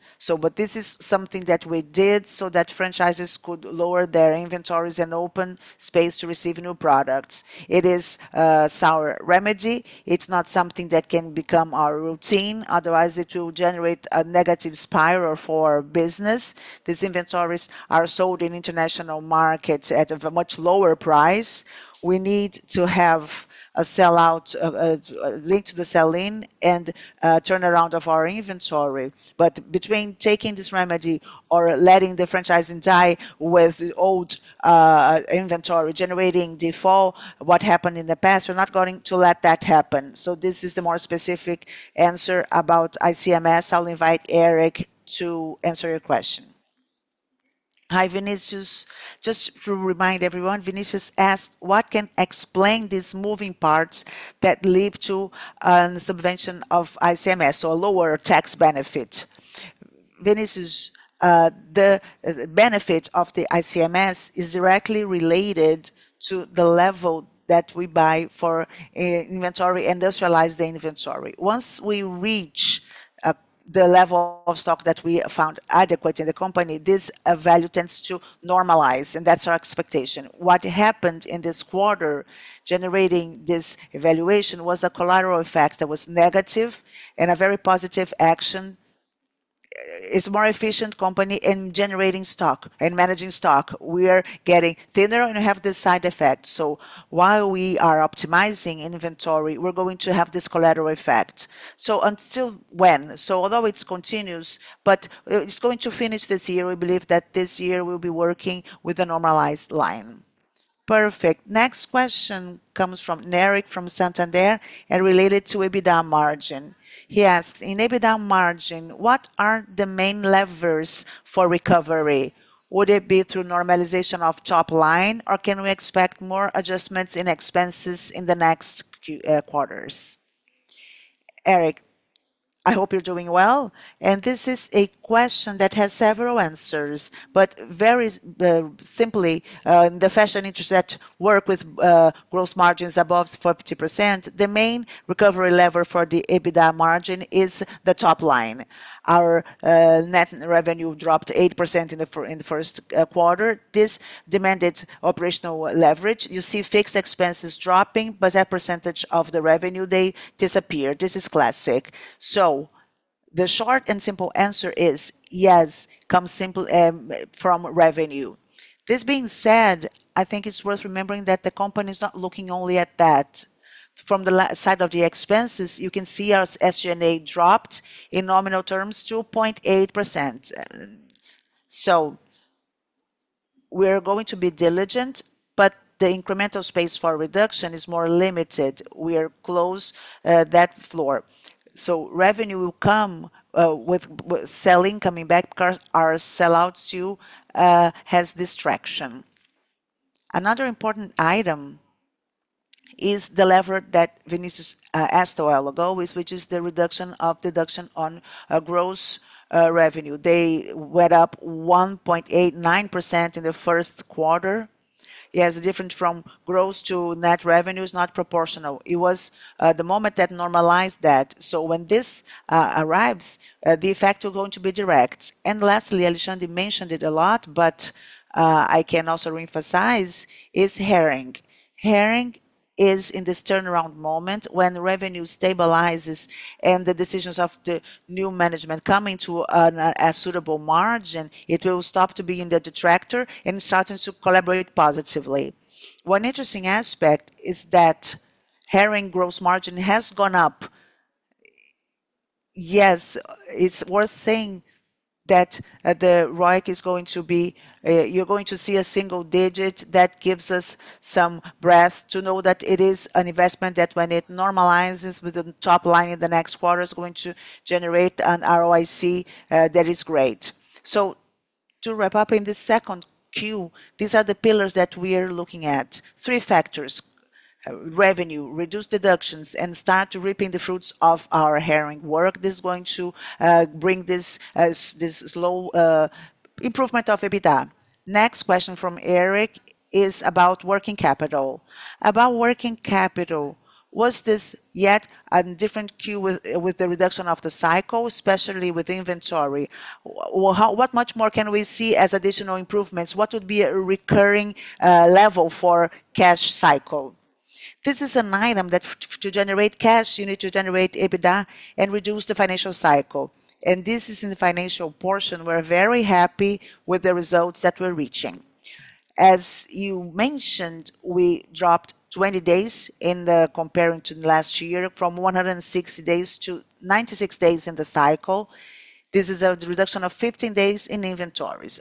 S2: This is something that we did so that franchises could lower their inventories and open space to receive new products. It is a sour remedy. It's not something that can become our routine, otherwise it will generate a negative spiral for business. These inventories are sold in international markets at a much lower price. We need to have a sell-out linked to the sell-in and a turnaround of our inventory. Between taking this remedy or letting the franchising die with old inventory generating default, what happened in the past, we're not going to let that happen. This is the more specific answer about ICMS. I'll invite Eric to answer your question.
S3: Hi, Vinicius. Just to remind everyone, Vinicius asked what can explain these moving parts that lead to subvention of ICMS or lower tax benefit. Vinicius, the benefit of the ICMS is directly related to the level that we buy for inventory, industrialized inventory. Once we reach the level of stock that we have found adequate in the company, this value tends to normalize, and that's our expectation. What happened in this quarter generating this evaluation was a collateral effect that was negative and a very positive action. It's more efficient company in generating stock and managing stock. We are getting thinner and have this side effect. While we are optimizing inventory, we're going to have this collateral effect. Until when? Although it's continuous, but it's going to finish this year. We believe that this year we'll be working with a normalized line.
S1: Perfect. Next question comes from Eric from Santander and related to EBITDA margin. He asked, "In EBITDA margin, what are the main levers for recovery? Would it be through normalization of top line, or can we expect more adjustments in expenses in the next quarters?"
S3: Eric, I hope you're doing well, this is a question that has several answers. Very simply, in the fashion interest that work with gross margins above 50%, the main recovery lever for the EBITDA margin is the top line. Our net revenue dropped 8% in the first quarter. This demanded operational leverage. You see fixed expenses dropping, but as a percentage of the revenue, they disappear. This is classic. The short and simple answer is yes, comes simple from revenue. This being said, I think it's worth remembering that the company's not looking only at that. From the side of the expenses, you can see our SG&A dropped in nominal terms 2.8%. We're going to be diligent, but the incremental space for reduction is more limited. We are close that floor. Revenue will come with selling coming back because our sell-out too has this traction. Another important item is the lever that Vinicius asked a while ago is, which is the reduction of deduction on gross revenue. They went up 1.89% in the first quarter. It has a difference from gross to net revenue. It's not proportional. It was the moment that normalized that. When this arrives, the effect are going to be direct. Lastly, Alexandre mentioned it a lot, but I can also reemphasize, is Hering. Hering is in this turnaround moment when revenue stabilizes and the decisions of the new management coming to a suitable margin, it will stop to be in the detractor and starting to collaborate positively. One interesting aspect is that Hering gross margin has gone up. Yes, it's worth saying that the ROIC is going to be, you're going to see a single digit. That gives us some breath to know that it is an investment that when it normalizes with the top line in the next quarter, it's going to generate an ROIC that is great. To wrap up in the 2Q, these are the pillars that we are looking at. Three factors: revenue, reduced deductions, and start reaping the fruits of our Hering work. This is going to bring this slow improvement of EBITDA.
S1: Next question from Eric is about working capital. About working capital, was this yet a different Q with the reduction of the cycle, especially with inventory? Well, what much more can we see as additional improvements? What would be a recurring level for cash cycle?
S2: This is an item that to generate cash, you need to generate EBITDA and reduce the financial cycle, and this is in the financial portion. We're very happy with the results that we're reaching. As you mentioned, we dropped 20 days in comparing to last year from 160 days to 96 days in the cycle. This is a reduction of 15 days in inventories.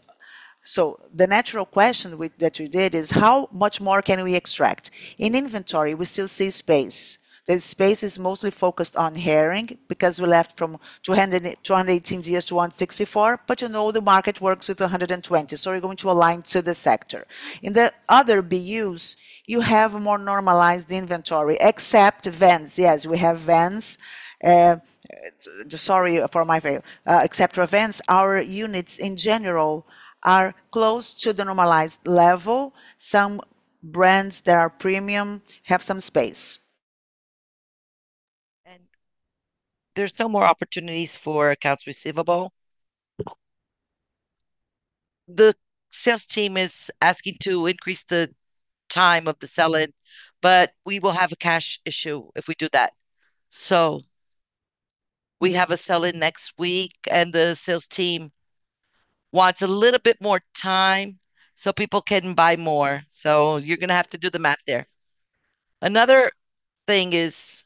S2: The natural question that we did, is how much more can we extract? In inventory, we still see space. The space is mostly focused on Hering because we left from 218 years to 164, you know the market works with 120, we're going to align to the sector. In the other BUs, you have more normalized inventory, except Vans. Yes, we have Vans. Sorry for my fail. Except for Vans, our units in general are close to the normalized level. Some brands that are premium have some space. There's no more opportunities for accounts receivable. The sales team is asking to increase the time of the sell-in, we will have a cash issue if we do that. We have a sell-in next week, and the sales team wants a little bit more time so people can buy more. You're gonna have to do the math there. Another thing is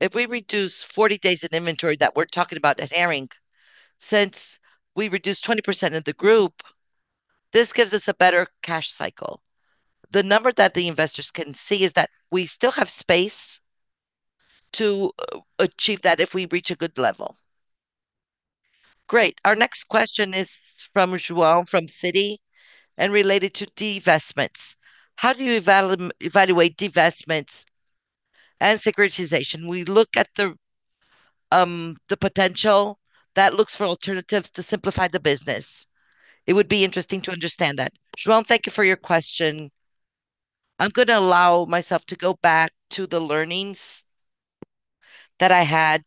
S2: if we reduce 40 days of inventory that we're talking about at Hering, since we reduced 20% of the group, this gives us a better cash cycle. The number that the investors can see is that we still have space. To achieve that if we reach a good level.
S1: Great. Our next question is from João from Citi and related to divestments. How do you evaluate divestments and securitization? We look at the potential that looks for alternatives to simplify the business. It would be interesting to understand that.
S2: João, thank you for your question. I'm gonna allow myself to go back to the learnings that I had,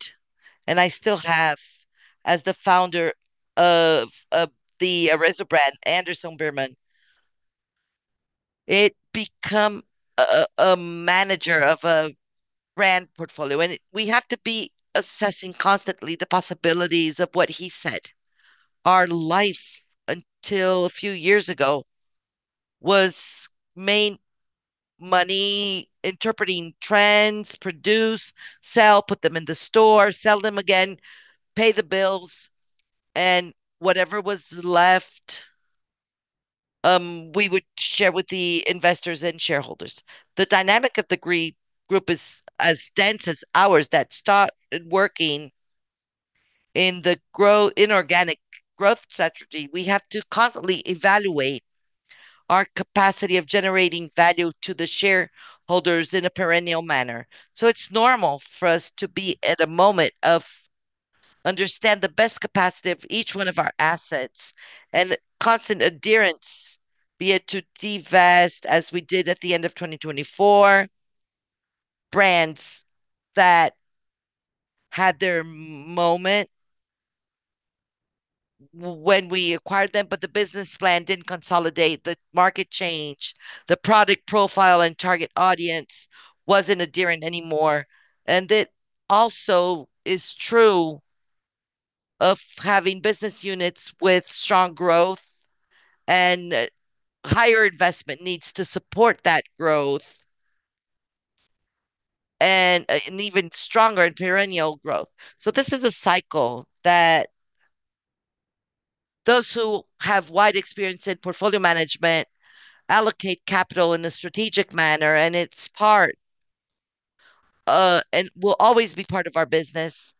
S2: and I still have, as the founder of the Arezzo brand, Anderson Birman. It become a manager of a brand portfolio, and we have to be assessing constantly the possibilities of what he said. Our life until a few years ago was make money interpreting trends, produce, sell, put them in the store, sell them again, pay the bills, and whatever was left, we would share with the investors and shareholders. The dynamic of the group is as dense as ours that start working in the inorganic growth strategy. We have to constantly evaluate our capacity of generating value to the shareholders in a perennial manner. It's normal for us to be at a moment of understand the best capacity of each one of our assets and constant adherence, be it to divest, as we did at the end of 2024, brands that had their moment when we acquired them, but the business plan didn't consolidate, the market changed, the product profile and target audience wasn't adherent anymore, and it also is true of having business units with strong growth and higher investment needs to support that growth and even stronger and perennial growth. This is a cycle that those who have wide experience in portfolio management allocate capital in a strategic manner, and it's part and will always be part of our business.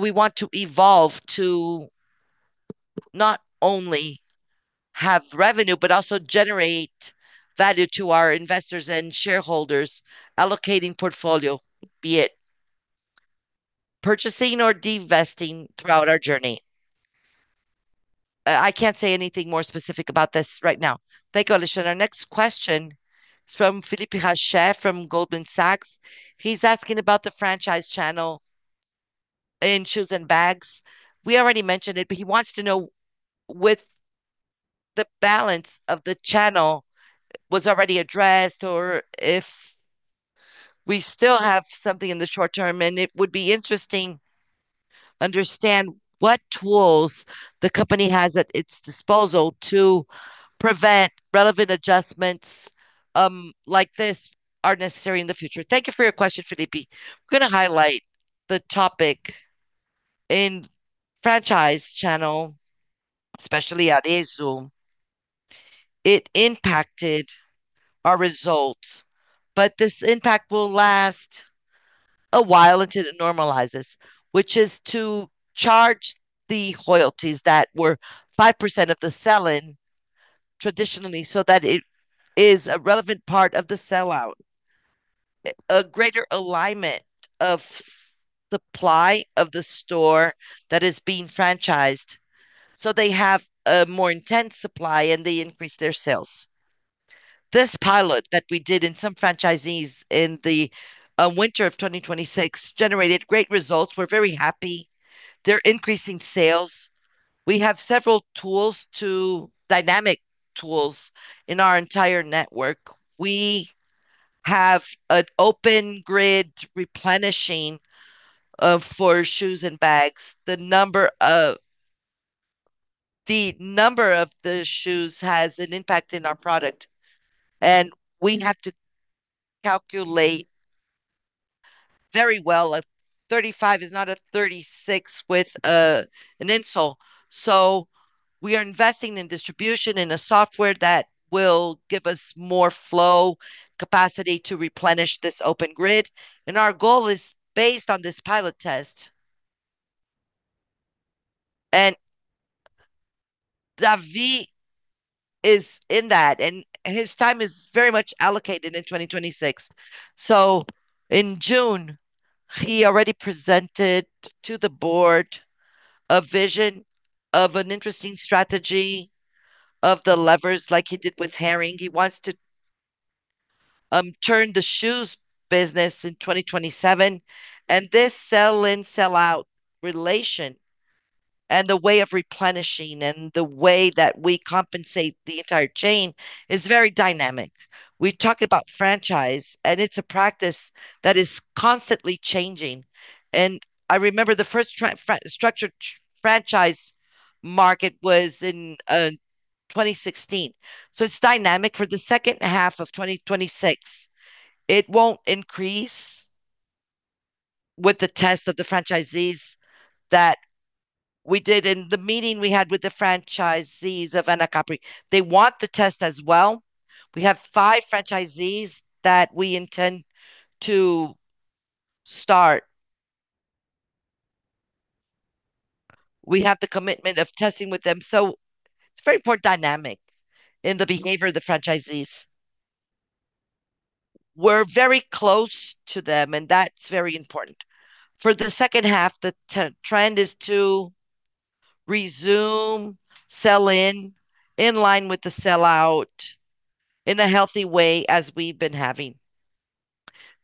S2: We want to evolve to not only have revenue, but also generate value to our investors and shareholders, allocating portfolio, be it purchasing or divesting throughout our journey. I can't say anything more specific about this right now.
S1: Thank you, Alexandre. Our next question is from Philippe Racher from Goldman Sachs. He's asking about the franchise channel in shoes and bags. We already mentioned it, but he wants to know with the balance of the channel was already addressed or if we still have something in the short term, and it would be interesting understand what tools the company has at its disposal to prevent relevant adjustments like this are necessary in the future.
S2: Thank you for your question, Philippe. I'm going to highlight the topic in franchise channel, especially at Arezzo. It impacted our results, but this impact will last a while until it normalizes, which is to charge the royalties that were 5% of the sell-in traditionally so that it is a relevant part of the sell-out, a greater alignment of supply of the store that is being franchised so they have a more intense supply and they increase their sales. This pilot that we did in some franchisees in the winter of 2026 generated great results. We're very happy. They're increasing sales. We have several tools to dynamic tools in our entire network. We have an open grid replenishing for shoes and bags. The number of the shoes has an impact in our product, and we have to calculate very well. A 35 is not a 36 with an insole. We are investing in distribution, in a software that will give us more flow capacity to replenish this open grid, and our goal is based on this pilot test. David is in that, and his time is very much allocated in 2026. In June, he already presented to the board a vision of an interesting strategy of the levers, like he did with Hering. He wants to turn the shoes business in 2027, and this sell-in, sell-out relation and the way of replenishing and the way that we compensate the entire chain is very dynamic. We talk about franchise. It's a practice that is constantly changing. I remember the first structured franchise market was in 2016. It's dynamic. For the second half of 2026, it won't increase. With the test of the franchisees that we did in the meeting we had with the franchisees of Anacapri. They want the test as well. We have five franchisees that we intend to start. We have the commitment of testing with them, so it's very poor dynamic in the behavior of the franchisees. We're very close to them, and that's very important. For the second half, the trend is to resume sell-in in line with the sellout in a healthy way as we've been having.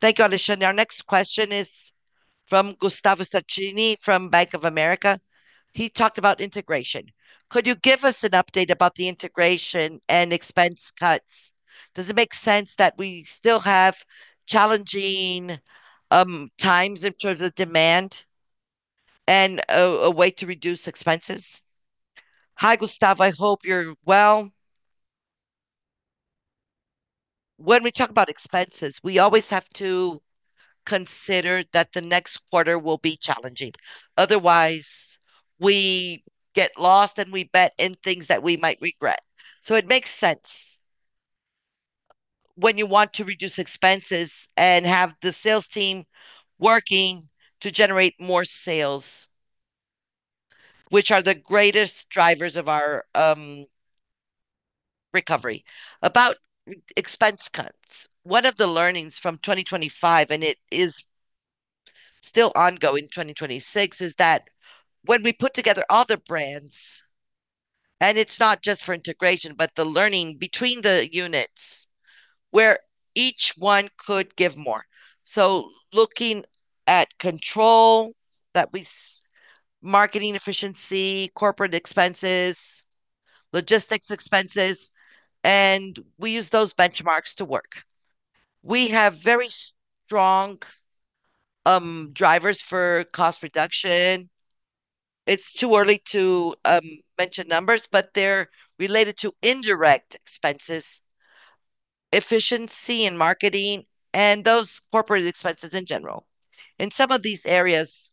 S1: Thank you, Alexandre. Our next question is from Gustavo Sacchini from Bank of America. He talked about integration. Could you give us an update about the integration and expense cuts? Does it make sense that we still have challenging times in terms of demand and a way to reduce expenses?
S2: Hi, Gustavo. I hope you're well. When we talk about expenses, we always have to consider that the next quarter will be challenging, otherwise we get lost and we bet on things that we might regret. It makes sense when you want to reduce expenses and have the sales team working to generate more sales, which are the greatest drivers of our recovery. About expense cuts, one of the learnings from 2025, and it is still ongoing, 2026, is that when we put together all the brands, and it's not just for integration, but the learning between the units where each one could give more. Looking at control that marketing efficiency, corporate expenses, logistics expenses, and we use those benchmarks to work. We have very strong drivers for cost reduction. It's too early to mention numbers, but they're related to indirect expenses, efficiency in marketing, and those corporate expenses in general. In some of these areas,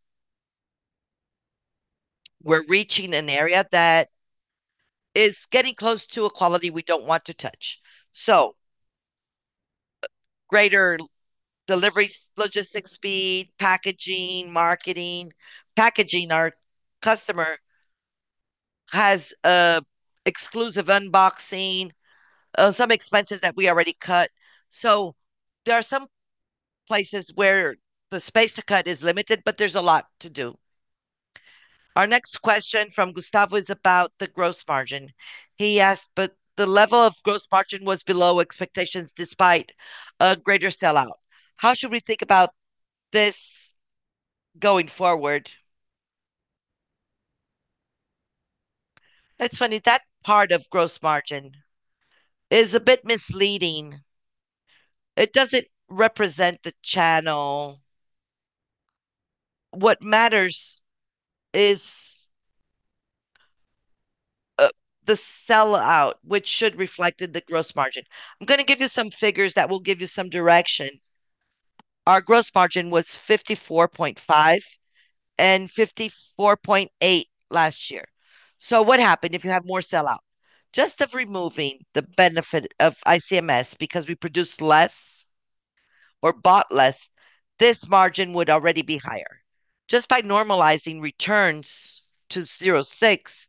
S2: we're reaching an area that is getting close to a quality we don't want to touch. Greater delivery logistics speed, packaging, marketing. Packaging, our customer has a exclusive unboxing. Some expenses that we already cut. There are some places where the space to cut is limited, but there's a lot to do. Our next question from Gustavo is about the gross margin. He asked, "The level of gross margin was below expectations despite a greater sellout. How should we think about this going forward?" It's funny, that part of gross margin is a bit misleading. It doesn't represent the channel. What matters is the sellout, which should reflected the gross margin. I'm going to give you some figures that will give you some direction. Our gross margin was 54.5 and 54.8 last year. What happened if you have more sell-out? Just of removing the benefit of ICMS because we produced less or bought less, this margin would already be higher. Just by normalizing returns to zero-six,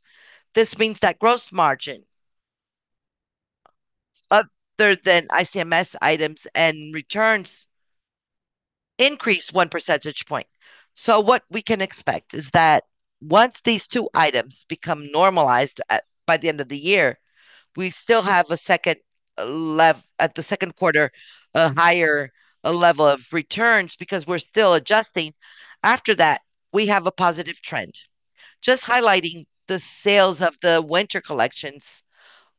S2: this means that gross margin other than ICMS items and returns increased one percentage point. What we can expect is that once these two items become normalized at, by the end of the year, we still have at the second quarter, a higher level of returns because we're still adjusting. After that, we have a positive trend. Just highlighting the sales of the winter collections,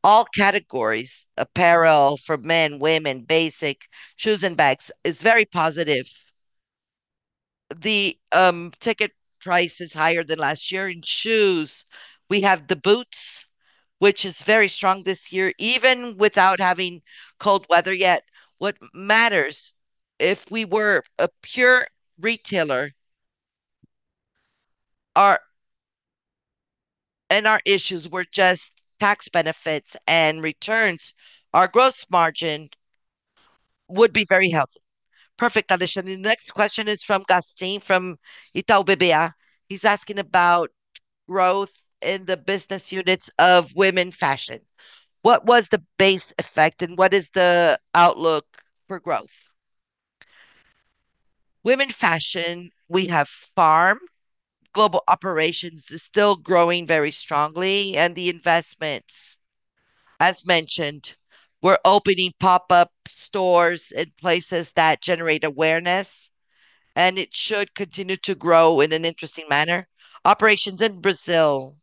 S2: all categories, apparel for men, women, basic, shoes and bags, is very positive. The ticket price is higher than last year. In shoes, we have the boots, which is very strong this year, even without having cold weather yet. What matters, if we were a pure retailer, our issues were just tax benefits and returns, our gross margin would be very healthy.
S1: Perfect, Alexandre. The next question is from Gaston, from Itaú BBA. He's asking about growth in the business units of women fashion. What was the base effect and what is the outlook for growth?
S2: Women fashion, we have Farm. Global operations is still growing very strongly, and the investments, as mentioned, we're opening pop-up stores in places that generate awareness, and it should continue to grow in an interesting manner. Operations in Brazil,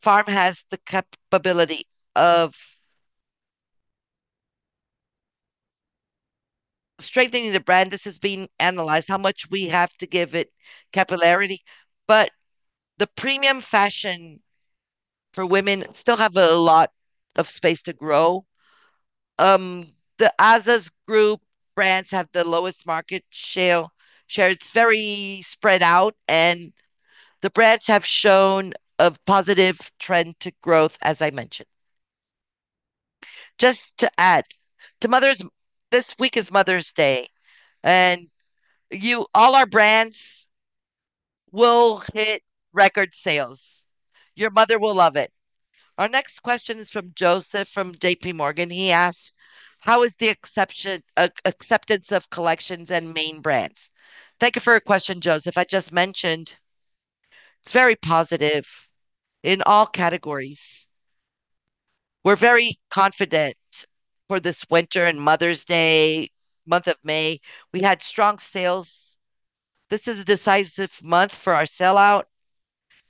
S2: Farm has the capability of strengthening the brand. This is being analyzed, how much we have to give it capillarity. The premium fashion for women still have a lot of space to grow. The Azzas Group brands have the lowest market share. It's very spread out, and the brands have shown a positive trend to growth as I mentioned. Just to add, this week is Mother's Day. You, all our brands will hit record sales. Your mother will love it.
S1: Our next question is from Joseph from JPMorgan. He asks, "How is the exception, acceptance of collections and main brands?"
S2: Thank you for your question, Joseph. I just mentioned it's very positive in all categories. We're very confident for this winter and Mother's Day, month of May. We had strong sales. This is a decisive month for our sell-out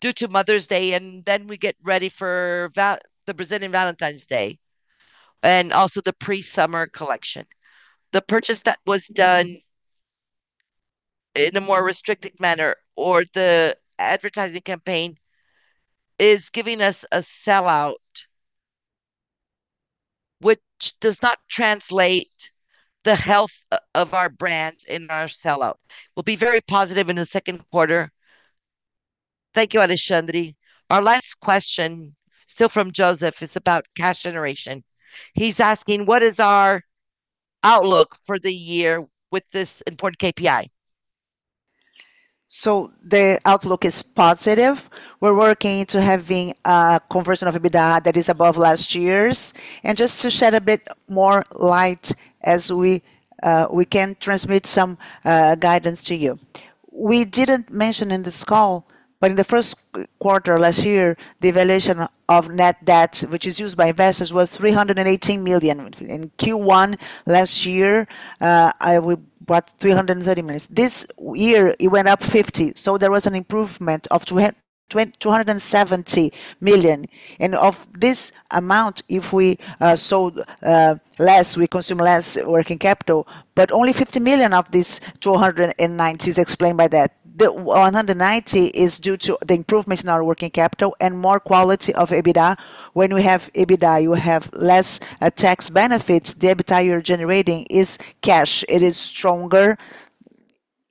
S2: due to Mother's Day. Then we get ready for the Brazilian Valentine's Day, and also the pre-summer collection. The purchase that was done in a more restricted manner or the advertising campaign is giving us a sell-out which does not translate the health of our brands and our sell-out. We'll be very positive in the second quarter.
S1: Thank you, Alexandre. Our last question, still from Joseph, is about cash generation. He's asking, what is our outlook for the year with this important KPI?
S2: The outlook is positive. We're working to having a conversion of EBITDA that is above last year's. Just to shed a bit more light as we can transmit some guidance to you. We didn't mention in this call, but in the first quarter last year, the valuation of net debt, which is used by investors, was 318 million. In Q1 last year, about 330 million. This year it went up 50, there was an improvement of 270 million. Of this amount, if we sold less, we consume less working capital. Only 50 million of this 290 is explained by that. The 190 is due to the improvement in our working capital and more quality of EBITDA. When we have EBITDA, you have less tax benefits. The EBITDA you're generating is cash. It is stronger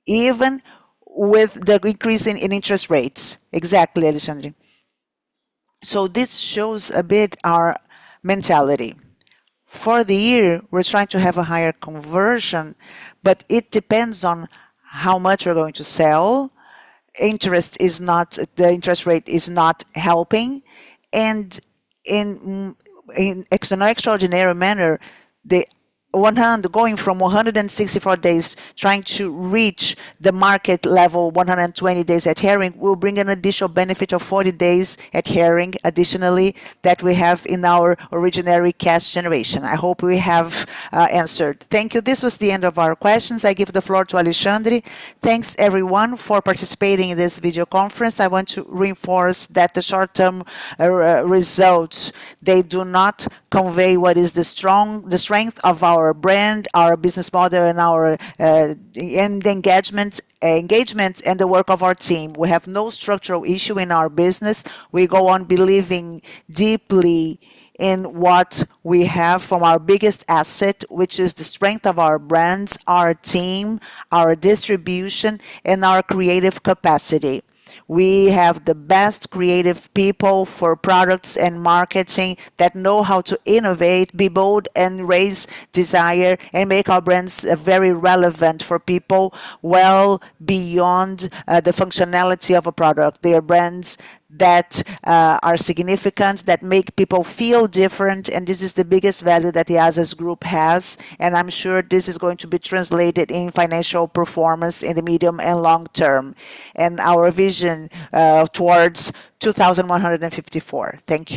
S2: even with the increase in interest rates.
S3: Exactly, Alexandre.
S2: This shows a bit our mentality. For the year, we're trying to have a higher conversion, but it depends on how much we're going to sell. The interest rate is not helping. In an extraordinary manner, on one hand, going from 164 days trying to reach the market level, 120 days at Hering, will bring an additional benefit of 40 days at Hering additionally that we have in our originary cash generation. I hope we have answered.
S1: Thank you. This was the end of our questions. I give the floor to Alexandre.
S2: Thanks everyone for participating in this video conference. I want to reinforce that the short-term results, they do not convey what is the strength of our brand, our business model, and the engagement and the work of our team. We have no structural issue in our business. We go on believing deeply in what we have from our biggest asset, which is the strength of our brands, our team, our distribution, and our creative capacity. We have the best creative people for products and marketing that know how to innovate, be bold, and raise desire, and make our brands very relevant for people well beyond the functionality of a product. They are brands that are significant, that make people feel different, and this is the biggest value that the Azzas Group has, and I'm sure this is going to be translated in financial performance in the medium and long term, and our vision towards 2154. Thank you.